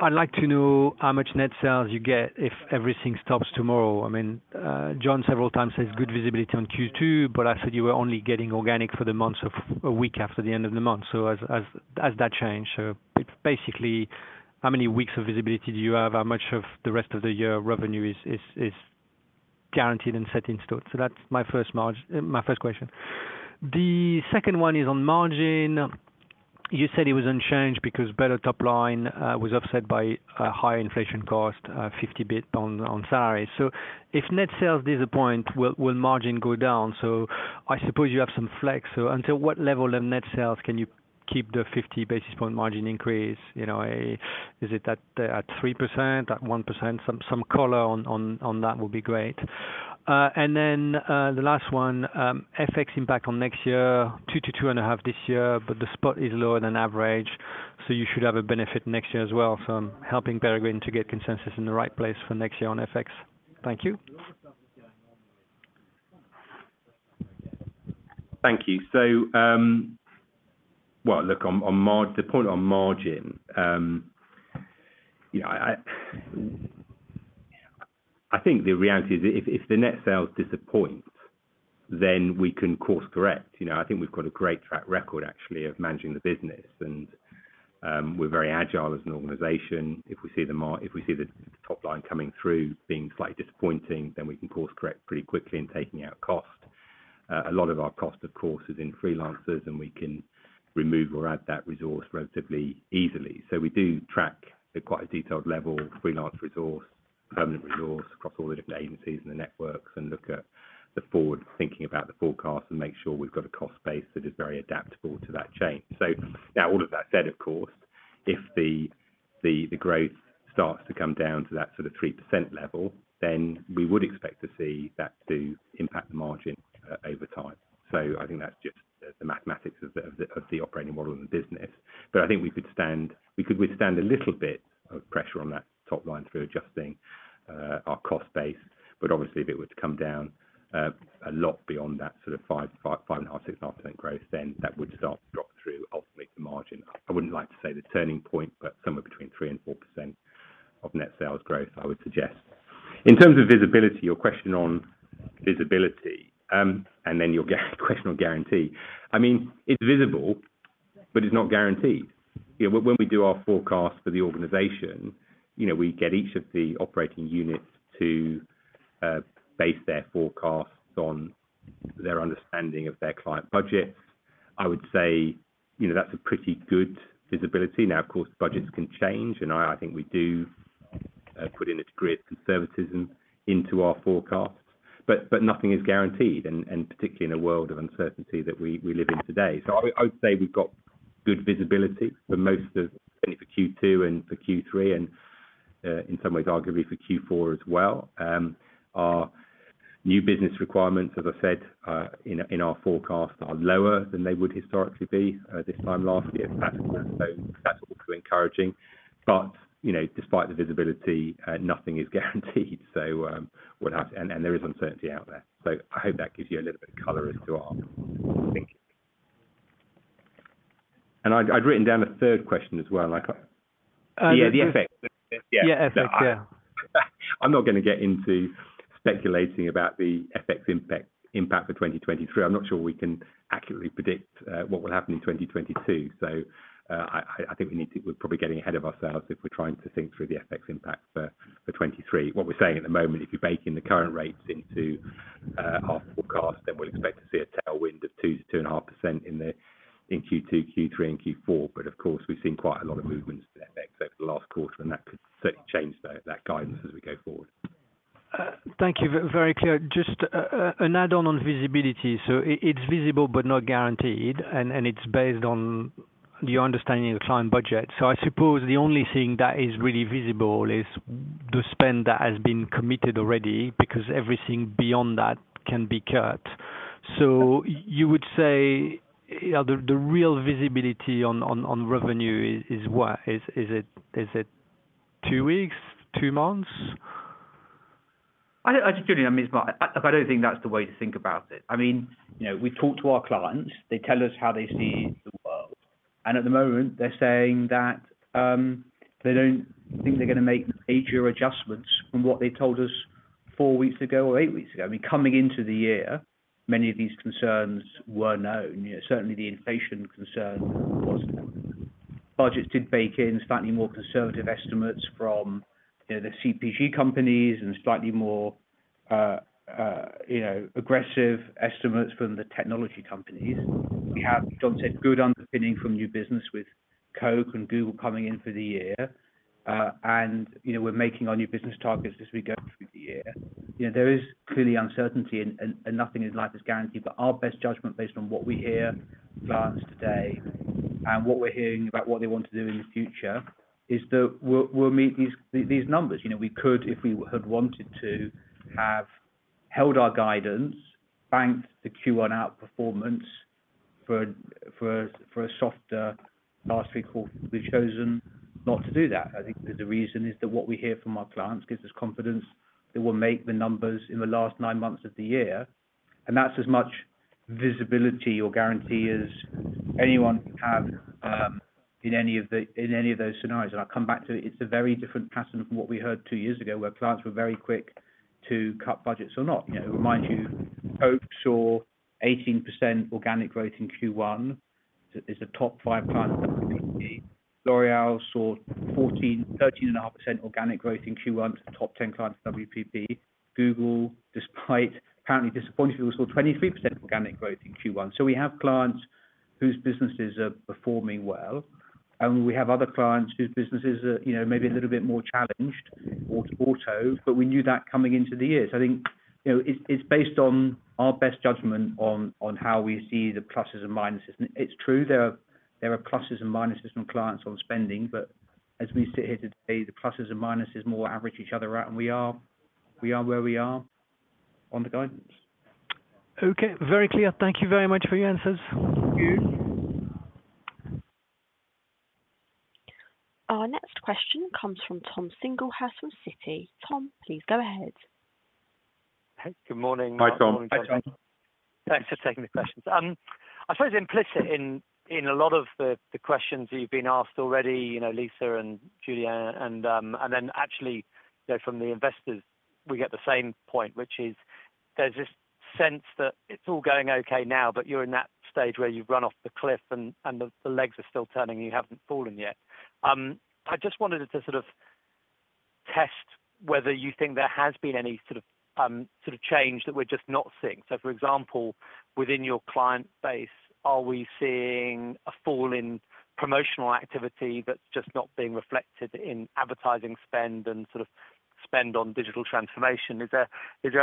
So I'd like to know how much net sales you get if everything stops tomorrow. I mean, John several times says good visibility on Q2, but you said you were only getting organic for the month a week after the end of the month. So has that changed, so it's basically how many weeks of visibility do you have? How much of the rest of the year revenue is guaranteed and set in stone? That's my first question. The second one is on margin. You said it was unchanged because better top line was offset by a higher inflation cost, 50 basis points on salary. If net sales disappoint, will margin go down? I suppose you have some flex. Until what level of net sales can you keep the fifty basis point margin increase? Is it at 3%, at 1%? Some color on that would be great. The last one, FX impact on next year, 2%-2.5% this year, but the spot is lower than average, so you should have a benefit next year as well. I'm helping Peregrine to get consensus in the right place for next year on FX. Thank you. Thank you. Well, look, the point on margin, you know, I think the reality is if the net sales disappoint, then we can course correct. You know, I think we've got a great track record actually of managing the business, and we're very agile as an organization. If we see the top line coming through being slightly disappointing, then we can course correct pretty quickly in taking out cost. A lot of our cost of course is in Freelancers, and we can remove or add that resource relatively easily. We do track at quite a detailed level Freelance resource, permanent resource across all the different agencies and the networks and look at the forward thinking about the forecast and make sure we've got a cost base that is very adaptable to that change. Now all of that said, of course, if the growth starts to come down to that sort of 3% level, then we would expect to see that to impact the margin over time. I think that's just the mathematics of the operating model in the business. I think we could withstand a little bit of pressure on that top line through adjusting our cost base. Obviously if it were to come down a lot beyond that sort of five and a half, six and a half percent growth, then that would start to drop through ultimately the margin. I wouldn't like to say the turning point, but somewhere between 3% and 4% of net sales growth, I would suggest. In terms of visibility, your question on visibility, and then your question on guarantee, I mean, it's visible, but it's not guaranteed. You know, when we do our forecast for the organization, you know, we get each of the operating units to base their forecasts on their understanding of their client budgets. I would say, you know, that's a pretty good visibility. Now, of course, budgets can change, and I think we do put in a great conservatism into our forecasts. But nothing is guaranteed, and particularly in a world of uncertainty that we live in today. I would say we've got good visibility for most of, certainly for Q2 and for Q3, and in some ways arguably for Q4 as well. Our new business requirements, as I said, in our forecast are lower than they would historically be, this time last year. That's also encouraging. You know, despite the visibility, nothing is guaranteed. There is uncertainty out there. I hope that gives you a little bit of color as to our thinking. I'd written down a third question as well, and I can't- Yeah, the FX. Yeah. Yeah, FX, yeah. I'm not gonna get into speculating about the FX impact for 2023. I'm not sure we can accurately predict what will happen in 2022. I think we're probably getting ahead of ourselves if we're trying to think through the FX impact for 2023. What we're saying at the moment, if you bake in the current rates into our forecast, then we'll expect to see a tailwind of 2%-2.5% in Q2, Q3, and Q4. Of course, we've seen quite a lot of movements in FX over the last quarter, and that could certainly change that guidance as we go forward. Thank you. Very clear. Just an add-on on visibility. It's visible but not guaranteed, and it's based on your understanding of the client budget. I suppose the only thing that is really visible is the spend that has been committed already, because everything beyond that can be cut. You would say, you know, the real visibility on revenue is what? Is it two weeks? Two months? Julien, I mean, it's not. I don't think that's the way to think about it. I mean, you know, we talk to our clients, they tell us how they see the world. At the moment, they're saying that they don't think they're gonna make major adjustments from what they told us four weeks ago or eight weeks ago. I mean, coming into the year, many of these concerns were known. You know, certainly the inflation concern was known. Budgets did bake in slightly more conservative estimates from, you know, the CPG companies and slightly more, you know, aggressive estimates from the technology companies. We have, as John said, good underpinning from new business with Coke and Google coming in for the year. You know, we're making our new business targets as we go through the year. You know, there is clearly uncertainty and nothing in life is guaranteed. Our best judgment based on what we hear from clients today and what we're hearing about what they want to do in the future is that we'll meet these numbers. You know, we could, if we had wanted to, have held our guidance, banked the Q1 outperformance for a softer last week. We've chosen not to do that. I think the reason is that what we hear from our clients gives us confidence that we'll make the numbers in the last nine months of the year. That's as much visibility or guarantee as anyone can have in any of those scenarios. I'll come back to it. It's a very different pattern from what we heard two years ago, where clients were very quick to cut budgets or not. You know, remind you, Coke saw 18% organic growth in Q1. It's a top five client of WPP. L'Oréal saw 14%-13.5% organic growth in Q1. It's a top ten client of WPP. Google, despite apparently disappointing, we saw 23% organic growth in Q1. We have clients whose businesses are performing well, and we have other clients whose businesses are, you know, maybe a little bit more challenged, auto. We knew that coming into the year. I think, you know, it's based on our best judgment on how we see the pluses and minuses. It's true there are pluses and minuses from clients on spending, but as we sit here today, the pluses and minuses more or less average each other out, and we are where we are on the guidance. Okay. Very clear. Thank you very much for your answers. Thank you. Our next question comes from Tom Singlehurst from Citi. Tom, please go ahead. Hey, good morning. Hi, Tom. Thanks for taking the questions. I suppose implicit in a lot of the questions that you've been asked already, you know, Lisa and Julien and then actually, you know, from the investors, we get the same point, which is there's this sense that it's all going okay now, but you're in that stage where you've run off the cliff and the legs are still turning, and you haven't fallen yet. I just wanted to sort of test whether you think there has been any sort of change that we're just not seeing. For example, within your client base, are we seeing a fall in promotional activity that's just not being reflected in advertising spend and sort of spend on digital transformation. Is there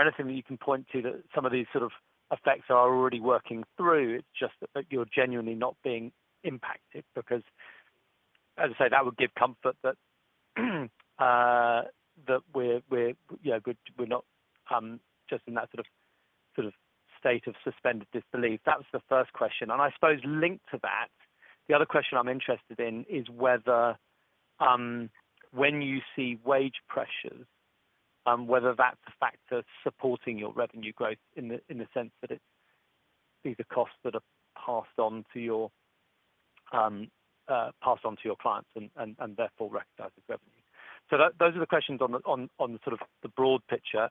anything that you can point to that some of these sort of effects are already working through? It's just that you're genuinely not being impacted because, as I say, that would give comfort that we're you know not just in that sort of state of suspended disbelief. That was the first question. I suppose linked to that; the other question I'm interested in is whether when you see wage pressures whether that's a factor supporting your revenue growth in the sense that it's either cost that are passed on to your clients and therefore recognized as revenue. Those are the questions on sort of the broad picture.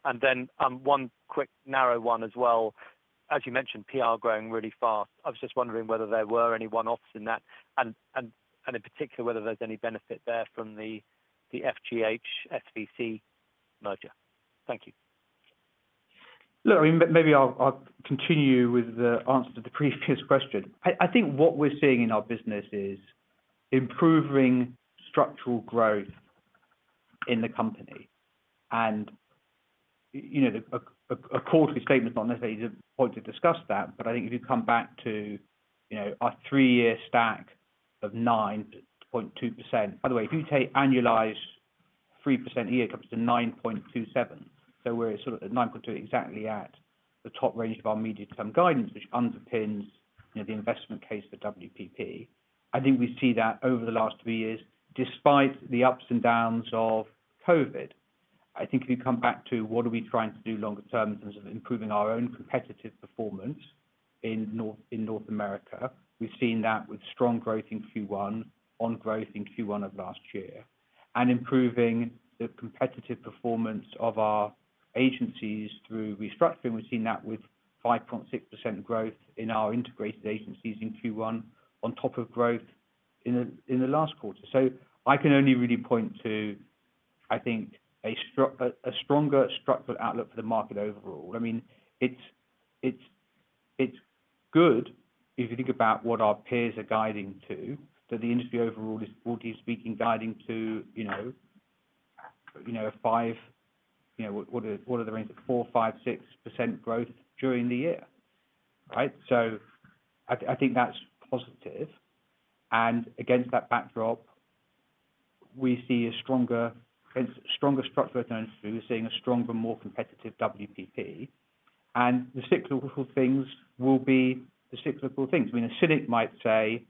One quick narrow one as well. As you mentioned, PR growing really fast. I was just wondering whether there were any one-offs in that and in particular, whether there's any benefit there from the FGH-SVC merger. Thank you. Look, I mean, maybe I'll continue with the answer to the previous question. I think what we're seeing in our business is improving structural growth in the company. You know, a quarterly statement is not necessarily the point to discuss that, but I think if you come back to, you know, our three-year stack of 9.2%. By the way, if you take annualized 3% a year, it comes to 9.27%. So we're sort of at 9.2% exactly at the top range of our medium term guidance, which underpins, you know, the investment case for WPP. I think we see that over the last three years, despite the ups and downs of COVID. I think if you come back to what we are trying to do longer term in terms of improving our own competitive performance in North America, we've seen that with strong growth in Q1 on growth in Q1 of last year. Improving the competitive performance of our agencies through restructuring, we've seen that with 5.6% growth in our Integrated Agencies in Q1 on top of growth in the last quarter. I can only really point to, I think, a stronger structural outlook for the market overall. I mean, it's good if you think about what our peers are guiding to, that the industry overall is, broadly speaking, guiding to, you know, the range of 4%-6% growth during the year, right? I think that's positive. Against that backdrop, we see a stronger structural going through. We're seeing a stronger, more competitive WPP. The cyclical things will be the cyclical things. I mean, a cynic might say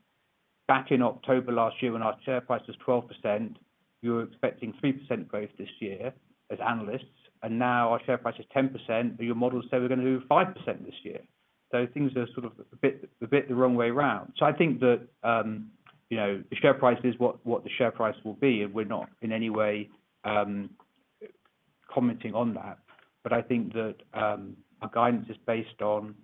back in October last year when our share price was 12%, you were expecting 3% growth this year as analysts, and now our share price is 10%, but your models say we're gonna do 5% this year. Things are sort of a bit the wrong way around. I think that, you know, the share price is what the share price will be, and we're not in any way commenting on that. I think that our guidance is based on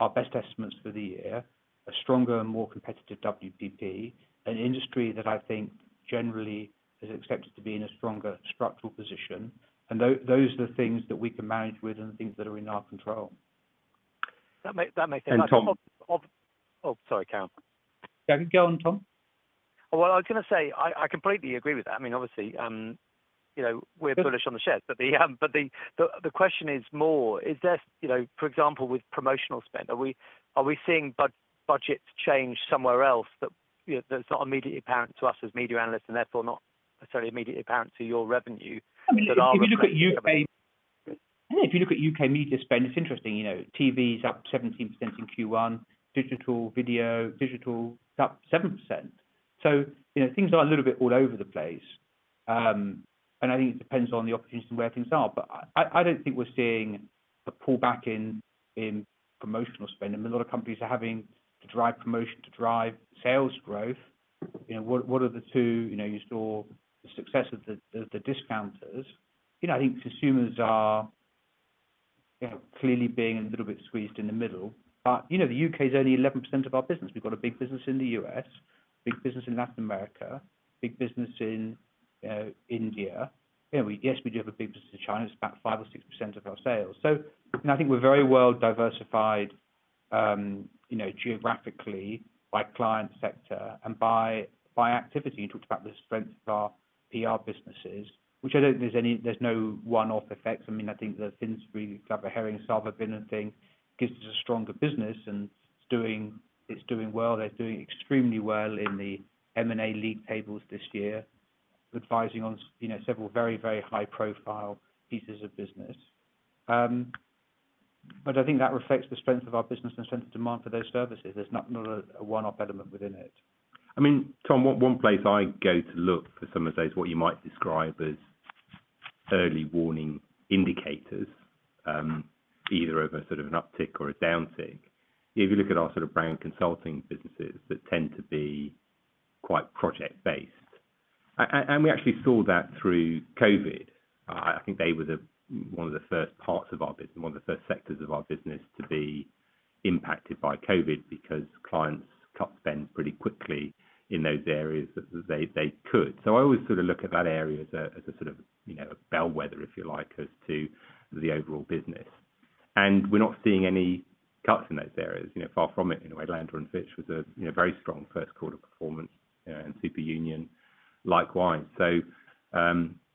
our best estimates for the year, a stronger and more competitive WPP, an industry that I think generally is expected to be in a stronger structural position. Those are the things that we can manage with and things that are in our control. That makes sense. Tom- Oh, sorry, Pal. Go on, Tom. Well, I was gonna say I completely agree with that. I mean, obviously, you know, we're bullish on the shares. The question is more is there, you know, for example, with promotional spend, are we seeing budgets change somewhere else that, you know, that's not immediately apparent to us as media analysts and therefore not necessarily immediately apparent to your revenue that are. I mean, if you look at U.K. media spend, it's interesting, you know. TV is up 17% in Q1. Digital, it's up 7%. You know, things are a little bit all over the place. I think it depends on the opportunities and where things are. I don't think we're seeing a pullback in promotional spend. I mean, a lot of companies are having to drive promotion to drive sales growth. You know, what are the two, you know, you saw the success of the discounters. You know, I think consumers are, you know, clearly being a little bit squeezed in the middle. You know, the U.K. is only 11% of our business. We've got a big business in the U.S., big business in Latin America, big business in India. You know, yes, we do have a big business in China, it's about 5% or 6% of our sales. You know, I think we're very well diversified, you know, geographically by client sector and by activity. You talked about the strength of our PR businesses, which I don't think there's no one-off effects. I mean, I think the Finsbury Glover Hering and Sard Verbinnen business thing gives us a stronger business, and it's doing well. They're doing extremely well in the M&A league tables this year, advising on you know, several very, very high profile pieces of business. I think that reflects the strength of our business and strength of demand for those services. There's not a one-off element within it. I mean, Tom, one place I go to look for some of those, what you might describe as early warning indicators, either of a sort of an uptick or a downtick, if you look at our sort of brand consulting businesses that tend to be quite project based. We actually saw that through COVID. I think they were one of the first parts of our business, one of the first sectors of our business to be impacted by COVID because clients cut spend pretty quickly in those areas that they could. I always sort of look at that area as a sort of, you know, a bellwether, if you like, as to the overall business. We're not seeing any cuts in those areas, you know, far from it. In a way, Landor & Fitch was a, you know, very strong first quarter performance, and Superunion likewise.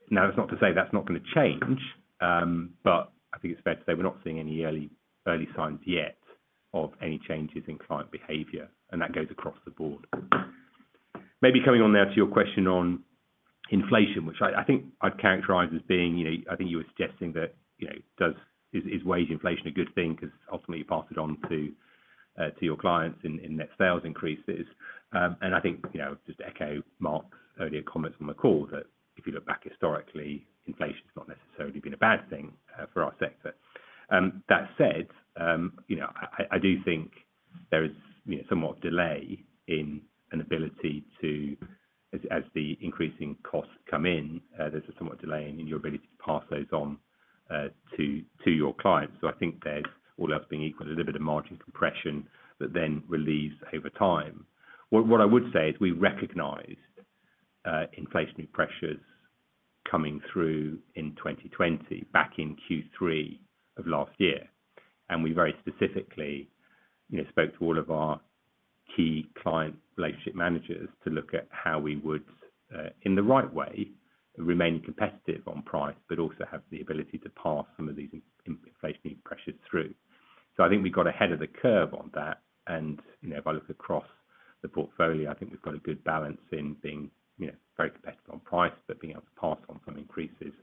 Now that's not to say that's not gonna change, but I think it's fair to say we're not seeing any early signs yet of any changes in client behavior, and that goes across the board. Maybe coming on now to your question on inflation, which I think I'd characterize as being, you know, I think you were suggesting that, you know, is wage inflation a good thing 'cause ultimately you pass it on to your clients in net sales increases. I think, you know, just to echo Mark's earlier comments on the call that if you look back historically, inflation's not necessarily been a bad thing for our sector. That said, you know, I do think there is, you know, somewhat of a delay in your ability to pass those on as the increasing costs come in, to your clients. I think there's, all else being equal, a little bit of margin compression that then relieves over time. What I would say is we recognize inflationary pressures coming through in 2020 back in Q3 of last year. We very specifically, you know, spoke to all of our key client relationship managers to look at how we would, in the right way, remain competitive on price, but also have the ability to pass some of these inflation pressures through. I think we got ahead of the curve on that, and, you know, if I look across the portfolio, I think we've got a good balance in being, you know, very competitive on price, but being able to pass on some increases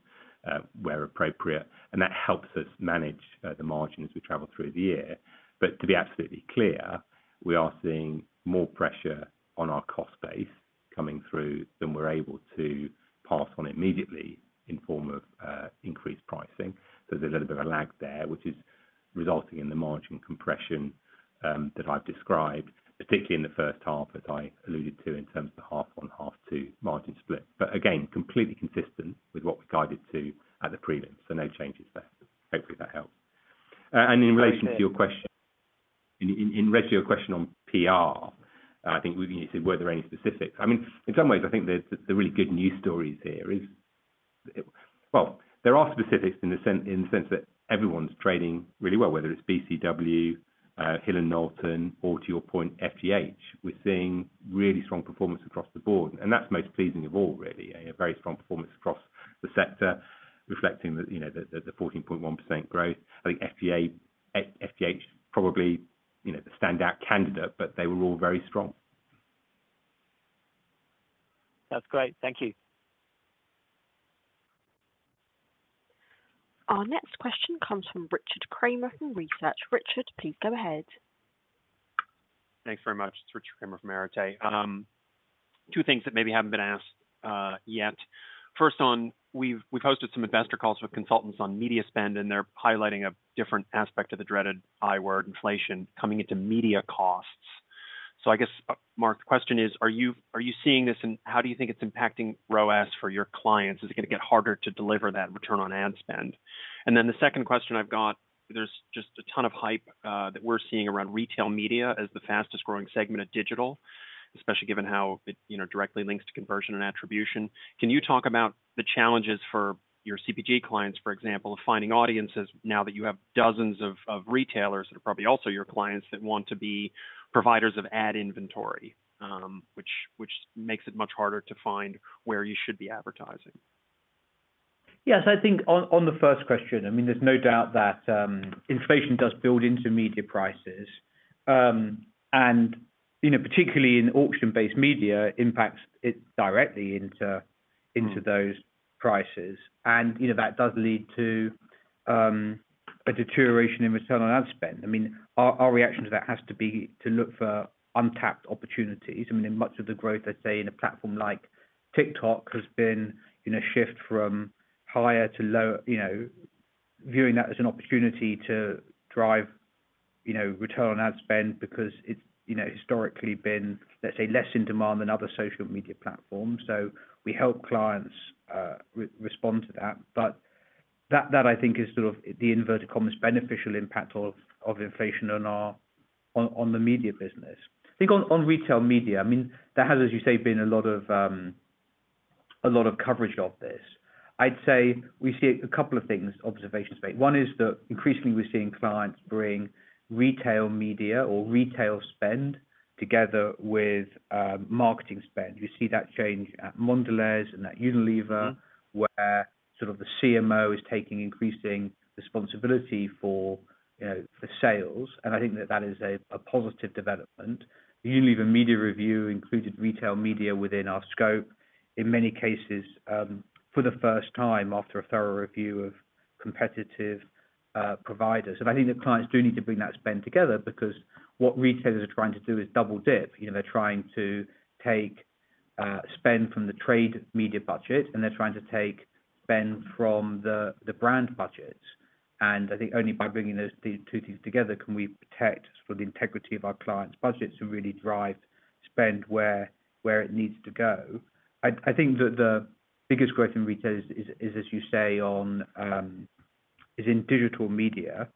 where appropriate. That helps us manage the margin as we travel through the year. To be absolutely clear, we are seeing more pressure on our cost base coming through than we're able to pass on immediately in form of increased pricing. There's a little bit of a lag there, which is resulting in the margin compression that I've described, particularly in the first half, as I alluded to in terms of the half one, half two margin split. Again, completely consistent with what we guided to at the prelim, so no changes there. Hopefully that helps. In relation to your question on PR, I think you said were there any specifics. I mean, in some ways, I think the really good news stories here is. Well, there are specifics in the sense that everyone's trading really well, whether it's BCW, Hill & Knowlton, or to your point, FGH. We're seeing really strong performance across the board, and that's most pleasing of all, really. A very strong performance across the sector, reflecting the 14.1% growth. I think FGH probably the standout candidate, but they were all very strong. That's great. Thank you. Our next question comes from Richard Kramer from Arete Research. Richard, please go ahead. Thanks very much. It's Richard Kramer from Arete Research. Two things that maybe haven't been asked yet. First on, we've hosted some investor calls with consultants on media spend, and they're highlighting a different aspect of the dreaded I-word, inflation, coming into media costs. I guess, Mark, the question is, are you seeing this and how do you think it's impacting ROAs for your clients? Is it gonna get harder to deliver that return on ad spend? The second question I've got, there's just a ton of hype that we're seeing around retail media as the fastest growing segment of digital, especially given how it, you know, directly links to conversion and attribution. Can you talk about the challenges for your CPG clients, for example, of finding audiences now that you have dozens of retailers that are probably also your clients that want to be providers of ad inventory, which makes it much harder to find where you should be advertising? Yes. I think on the first question, I mean, there's no doubt that inflation does build into media prices. You know, particularly in auction-based media, impacts it directly into those prices. You know, that does lead to a deterioration in return on ad spend. I mean, our reaction to that has to be to look for untapped opportunities. I mean, in much of the growth, let's say, in a platform like TikTok has been you know, shift from higher to low, you know, viewing that as an opportunity to drive you know, return on ad spend because it's you know, historically been, let's say, less in demand than other social media platforms. We help clients respond to that. That I think is sort of the inverted commas beneficial impact of inflation on our media business. I think on retail media, I mean, there has, as you say, been a lot of coverage of this. I'd say we see a couple of things. Observations made. One is that increasingly we're seeing clients bring retail media or retail spend together with marketing spend. You see that change at Mondelēz and at Unilever, where sort of the CMO is taking increasing responsibility for, you know, for sales. I think that is a positive development. The Unilever media review included retail media within our scope, in many cases, for the first time after a thorough review of competitive providers. I think the clients do need to bring that spend together because what retailers are trying to do is double dip. You know, they're trying to take spend from the trade media budget, and they're trying to take spend from the brand budgets. I think only by bringing those two things together can we protect the integrity of our clients' budgets and really drive spend where it needs to go. I think the biggest growth in retailers is as you say is in digital media.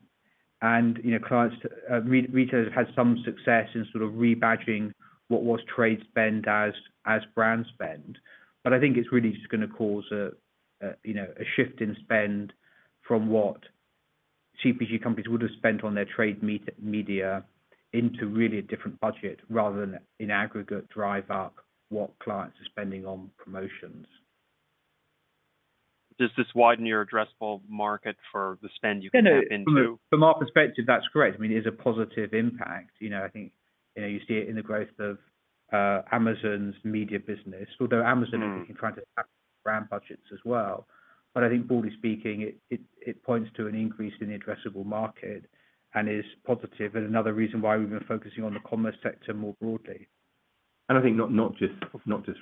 You know, clients, retailers had some success in sort of rebadging What was trade spend as brand spend. I think it's really just gonna cause a you know a shift in spend from what CPG companies would have spent on their trade media into really a different budget rather than in aggregate drive up what clients are spending on promotions. Does this widen your addressable market for the spend you can tap into? You know, from our perspective, that's correct. I mean, it is a positive impact. You know, I think, you know, you see it in the growth of Amazon's media business. Although Amazon. Mm. is trying to tap brand budgets as well. I think broadly speaking, it points to an increase in the addressable market and is positive and another reason why we've been focusing on the commerce sector more broadly. I think not just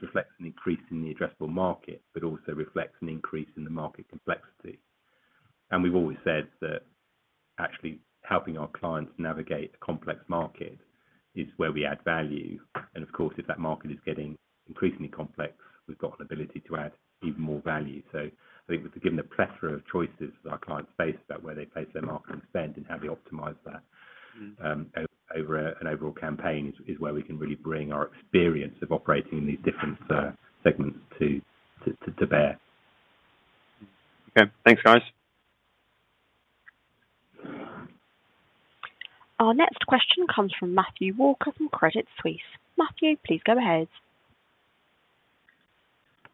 reflects an increase in the addressable market, but also reflects an increase in the market complexity. We've always said that actually helping our clients navigate a complex market is where we add value. Of course, if that market is getting increasingly complex, we've got an ability to add even more value. I think given the plethora of choices that our clients face about where they place their marketing spend and how we optimize that. Mm. Over an overall campaign is where we can really bring our experience of operating in these different segments to bear. Okay. Thanks, guys. Our next question comes from Matthew Walker from Credit Suisse. Matthew, please go ahead.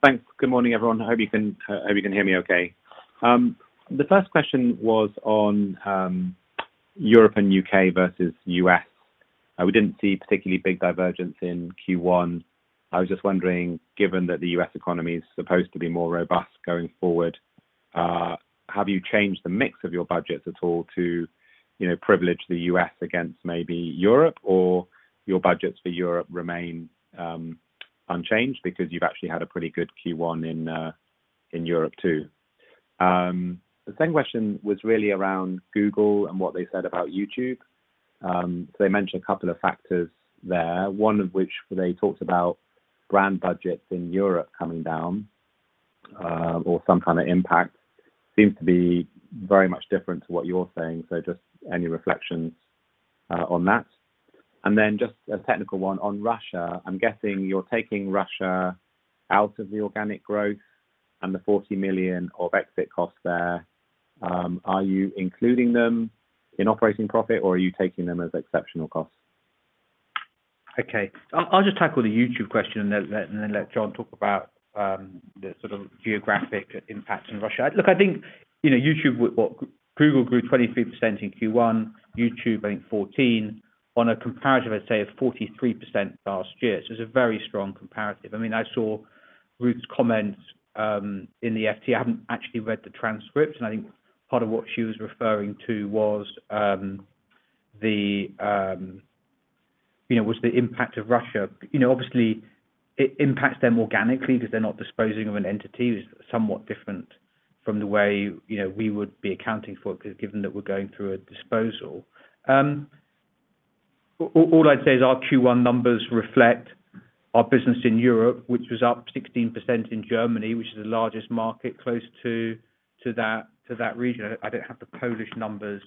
Thanks. Good morning, everyone. Hope you can hear me okay. The first question was on Europe and U.K. versus U.S. We didn't see particularly big divergence in Q1. I was just wondering, given that the U.S. economy is supposed to be more robust going forward, have you changed the mix of your budgets at all to, you know, privilege the U.S. against maybe Europe or your budgets for Europe remain unchanged because you've actually had a pretty good Q1 in Europe, too? The second question was really around Google and what they said about YouTube. They mentioned a couple of factors there, one of which they talked about brand budgets in Europe coming down, or some kind of impact. Seems to be very much different to what you're saying. Just any reflections on that. Just a technical one on Russia. I'm guessing you're taking Russia out of the organic growth and the 40 million of exit costs there. Are you including them in operating profit or are you taking them as exceptional costs? Okay. I'll just tackle the YouTube question and then let John talk about the sort of geographic impact in Russia. Look, I think, you know, YouTube, well, Google grew 23% in Q1, YouTube, I think 14% on a comparative, let's say, of 43% last year. So it's a very strong comparative. I mean, I saw Ruth's comments in the FT. I haven't actually read the transcript, and I think part of what she was referring to was the impact of Russia. You know, obviously, it impacts them organically because they're not disposing of an entity, is somewhat different from the way, you know, we would be accounting for given that we're going through a disposal. All I'd say is our Q1 numbers reflect our business in Europe, which was up 16% in Germany, which is the largest market close to that region. I don't have the Polish numbers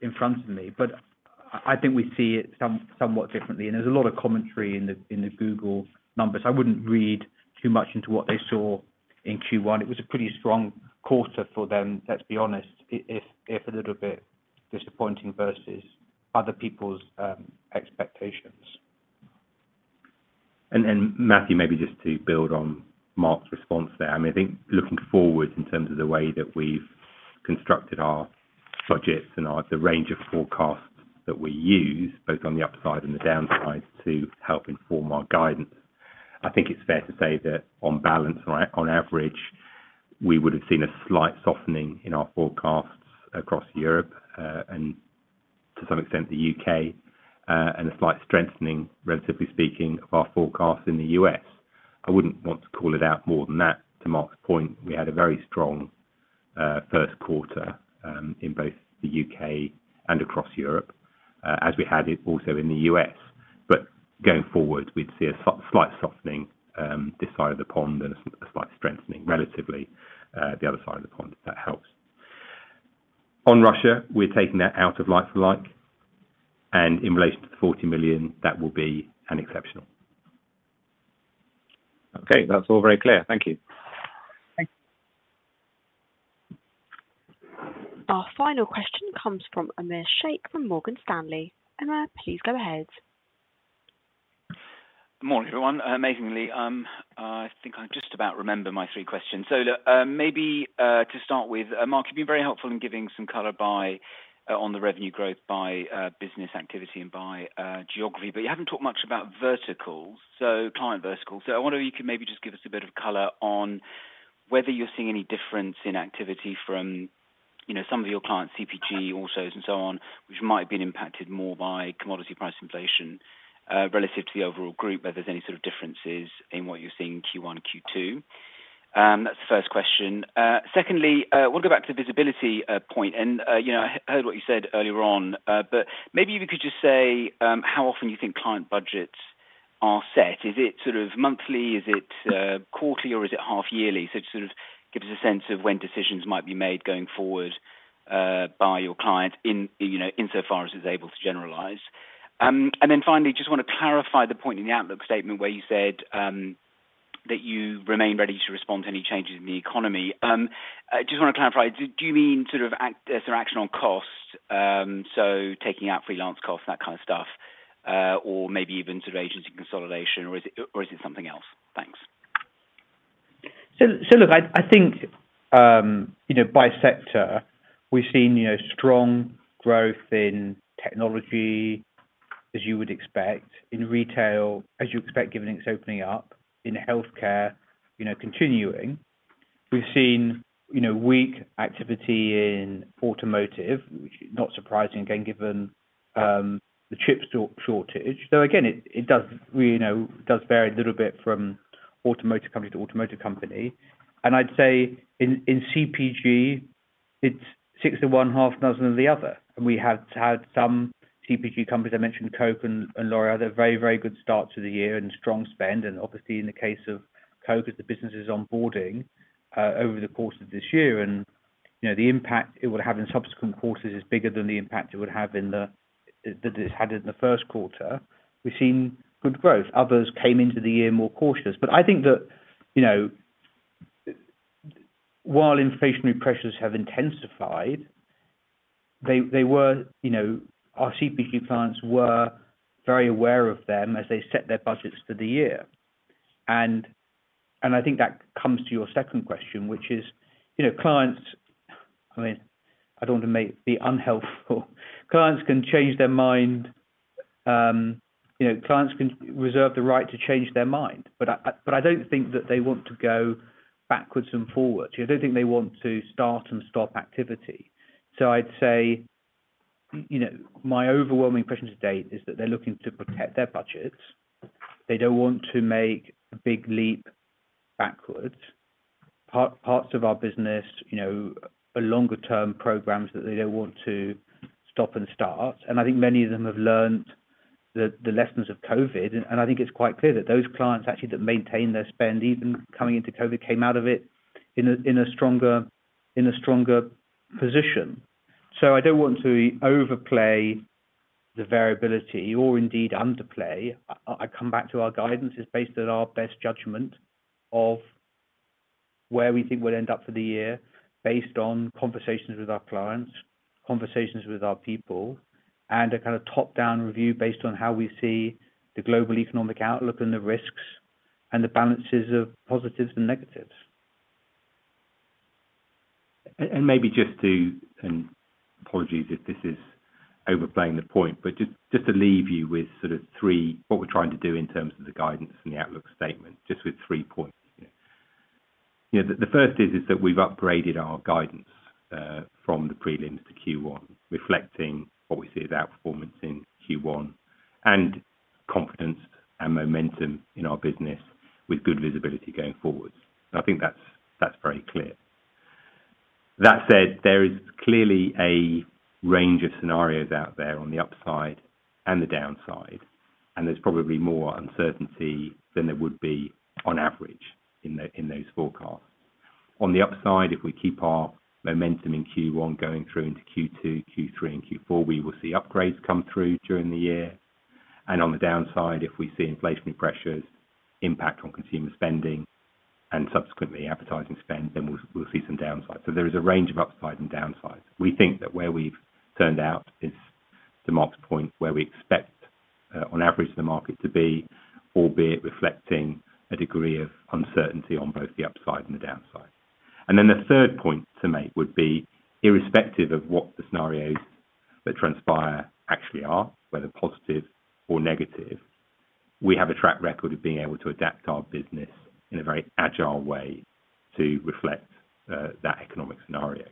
in front of me, but I think we see it somewhat differently. There's a lot of commentary in the Google numbers. I wouldn't read too much into what they saw in Q1. It was a pretty strong quarter for them, let's be honest, if a little bit disappointing versus other people's expectations. Matthew, maybe just to build on Mark's response there. I mean, I think looking forward in terms of the way that we've constructed our budgets and the range of forecasts that we use, both on the upside and the downside, to help inform our guidance. I think it's fair to say that on balance, right, on average, we would have seen a slight softening in our forecasts across Europe, and to some extent, the U.K, and a slight strengthening, relatively speaking, of our forecasts in the U.S. I wouldn't want to call it out more than that. To Mark's point, we had a very strong first quarter in both the U.K. And across Europe, as we had it also in the U.S. Going forward, we'd see a slight softening, this side of the pond and a slight strengthening, relatively, the other side of the pond. That helps. On Russia, we're taking that out of like-for-like. In relation to the 40 million, that will be an exceptional. Okay. That's all very clear. Thank you. Thanks. Our final question comes from Omar Sheikh from Morgan Stanley. Omar, please go ahead. Morning, everyone. Amazingly, I think I just about remember my three questions. Look, maybe to start with, Mark, you've been very helpful in giving some color on the revenue growth by business activity and by geography, but you haven't talked much about verticals, so client verticals. I wonder if you could maybe just give us a bit of color on whether you're seeing any difference in activity from, you know, some of your clients, CPG, autos and so on, which might have been impacted more by commodity price inflation relative to the overall group, whether there's any sort of differences in what you're seeing Q1 and Q2. That's the first question. Secondly, we'll go back to the visibility point. You know, I heard what you said earlier on, but maybe if you could just say how often you think client budgets are set. Is it sort of monthly? Is it quarterly or is it half yearly? So to sort of give us a sense of when decisions might be made going forward by your clients, insofar as it's able to generalize. Then finally, just wanna clarify the point in the outlook statement where you said that you remain ready to respond to any changes in the economy. I just wanna clarify, do you mean, is there action on costs, so taking out freelance costs, that kind of stuff, or maybe even sort of agency consolidation, or is it something else? Thanks. I think, you know, by sector, we've seen, you know, strong growth in technology, as you would expect, in retail, as you expect, given it's opening up, in healthcare, you know, continuing. We've seen, you know, weak activity in automotive, which is not surprising, again, given the chip shortage. It does vary a little bit from automotive company to automotive company. I'd say in CPG, it's six of one, half a dozen of the other. We have had some CPG companies, I mentioned Coke and L'Oréal, they're very good start to the year and strong spend. Obviously, in the case of Coke, as the business is onboarding over the course of this year, you know, the impact it will have in subsequent quarters is bigger than the impact it would have in that it's had in the first quarter. We've seen good growth. Others came into the year more cautious. I think that, you know, while inflationary pressures have intensified, they were, you know, our CPG clients were very aware of them as they set their budgets for the year. I think that comes to your second question, which is, you know, clients, I mean, I don't wanna be unhelpful. Clients can change their mind. You know, clients can reserve the right to change their mind. But I don't think that they want to go backwards and forwards. You know, I don't think they want to start and stop activity. I'd say, you know, my overwhelming impression to date is that they're looking to protect their budgets. They don't want to make a big leap backwards. Parts of our business, you know, are longer-term programs that they don't want to stop and start. I think many of them have learned the lessons of COVID. I think it's quite clear that those clients actually that maintain their spend, even coming into COVID, came out of it in a stronger position. I don't want to overplay the variability or indeed underplay. I come back to our guidance is based on our best judgment of where we think we'll end up for the year based on conversations with our clients, conversations with our people, and a kind of top-down review based on how we see the global economic outlook and the risks and the balances of positives and negatives. Maybe just to, and apologies if this is overplaying the point, but just to leave you with sort of three what we're trying to do in terms of the guidance and the outlook statement, just with three points. You know, the first is that we've upgraded our guidance from the prelims to Q1, reflecting what we see as outperformance in Q1 and confidence and momentum in our business with good visibility going forward. I think that's very clear. That said, there is clearly a range of scenarios out there on the upside and the downside, and there's probably more uncertainty than there would be on average in those forecasts. On the upside, if we keep our momentum in Q1 going through into Q2, Q3, and Q4, we will see upgrades come through during the year. On the downside, if we see inflationary pressures impact on consumer spending and subsequently advertising spend, then we'll see some downsides. There is a range of upside and downsides. We think that where we've turned out is the midpoint where we expect, on average the market to be, albeit reflecting a degree of uncertainty on both the upside and the downside. Then the third point to make would be irrespective of what the scenarios that transpire actually are, whether positive or negative, we have a track record of being able to adapt our business in a very agile way to reflect that economic scenario.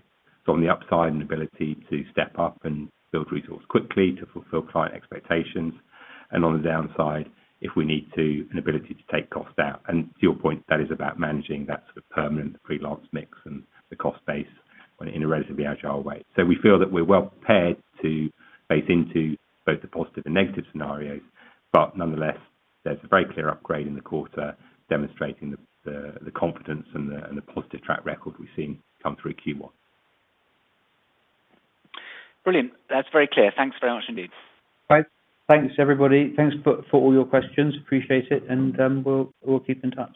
On the upside, an ability to step up and build resource quickly to fulfill client expectations. On the downside, if we need to, an ability to take costs out. To your point, that is about managing that sort of permanent freelance mix and the cost base in a relatively agile way. We feel that we're well prepared to face into both the positive and negative scenarios, but nonetheless, there's a very clear upgrade in the quarter demonstrating the confidence and the positive track record we've seen come through Q1. Brilliant. That's very clear. Thanks very much indeed. Right. Thanks, everybody. Thanks for all your questions. Appreciate it, and we'll keep in touch.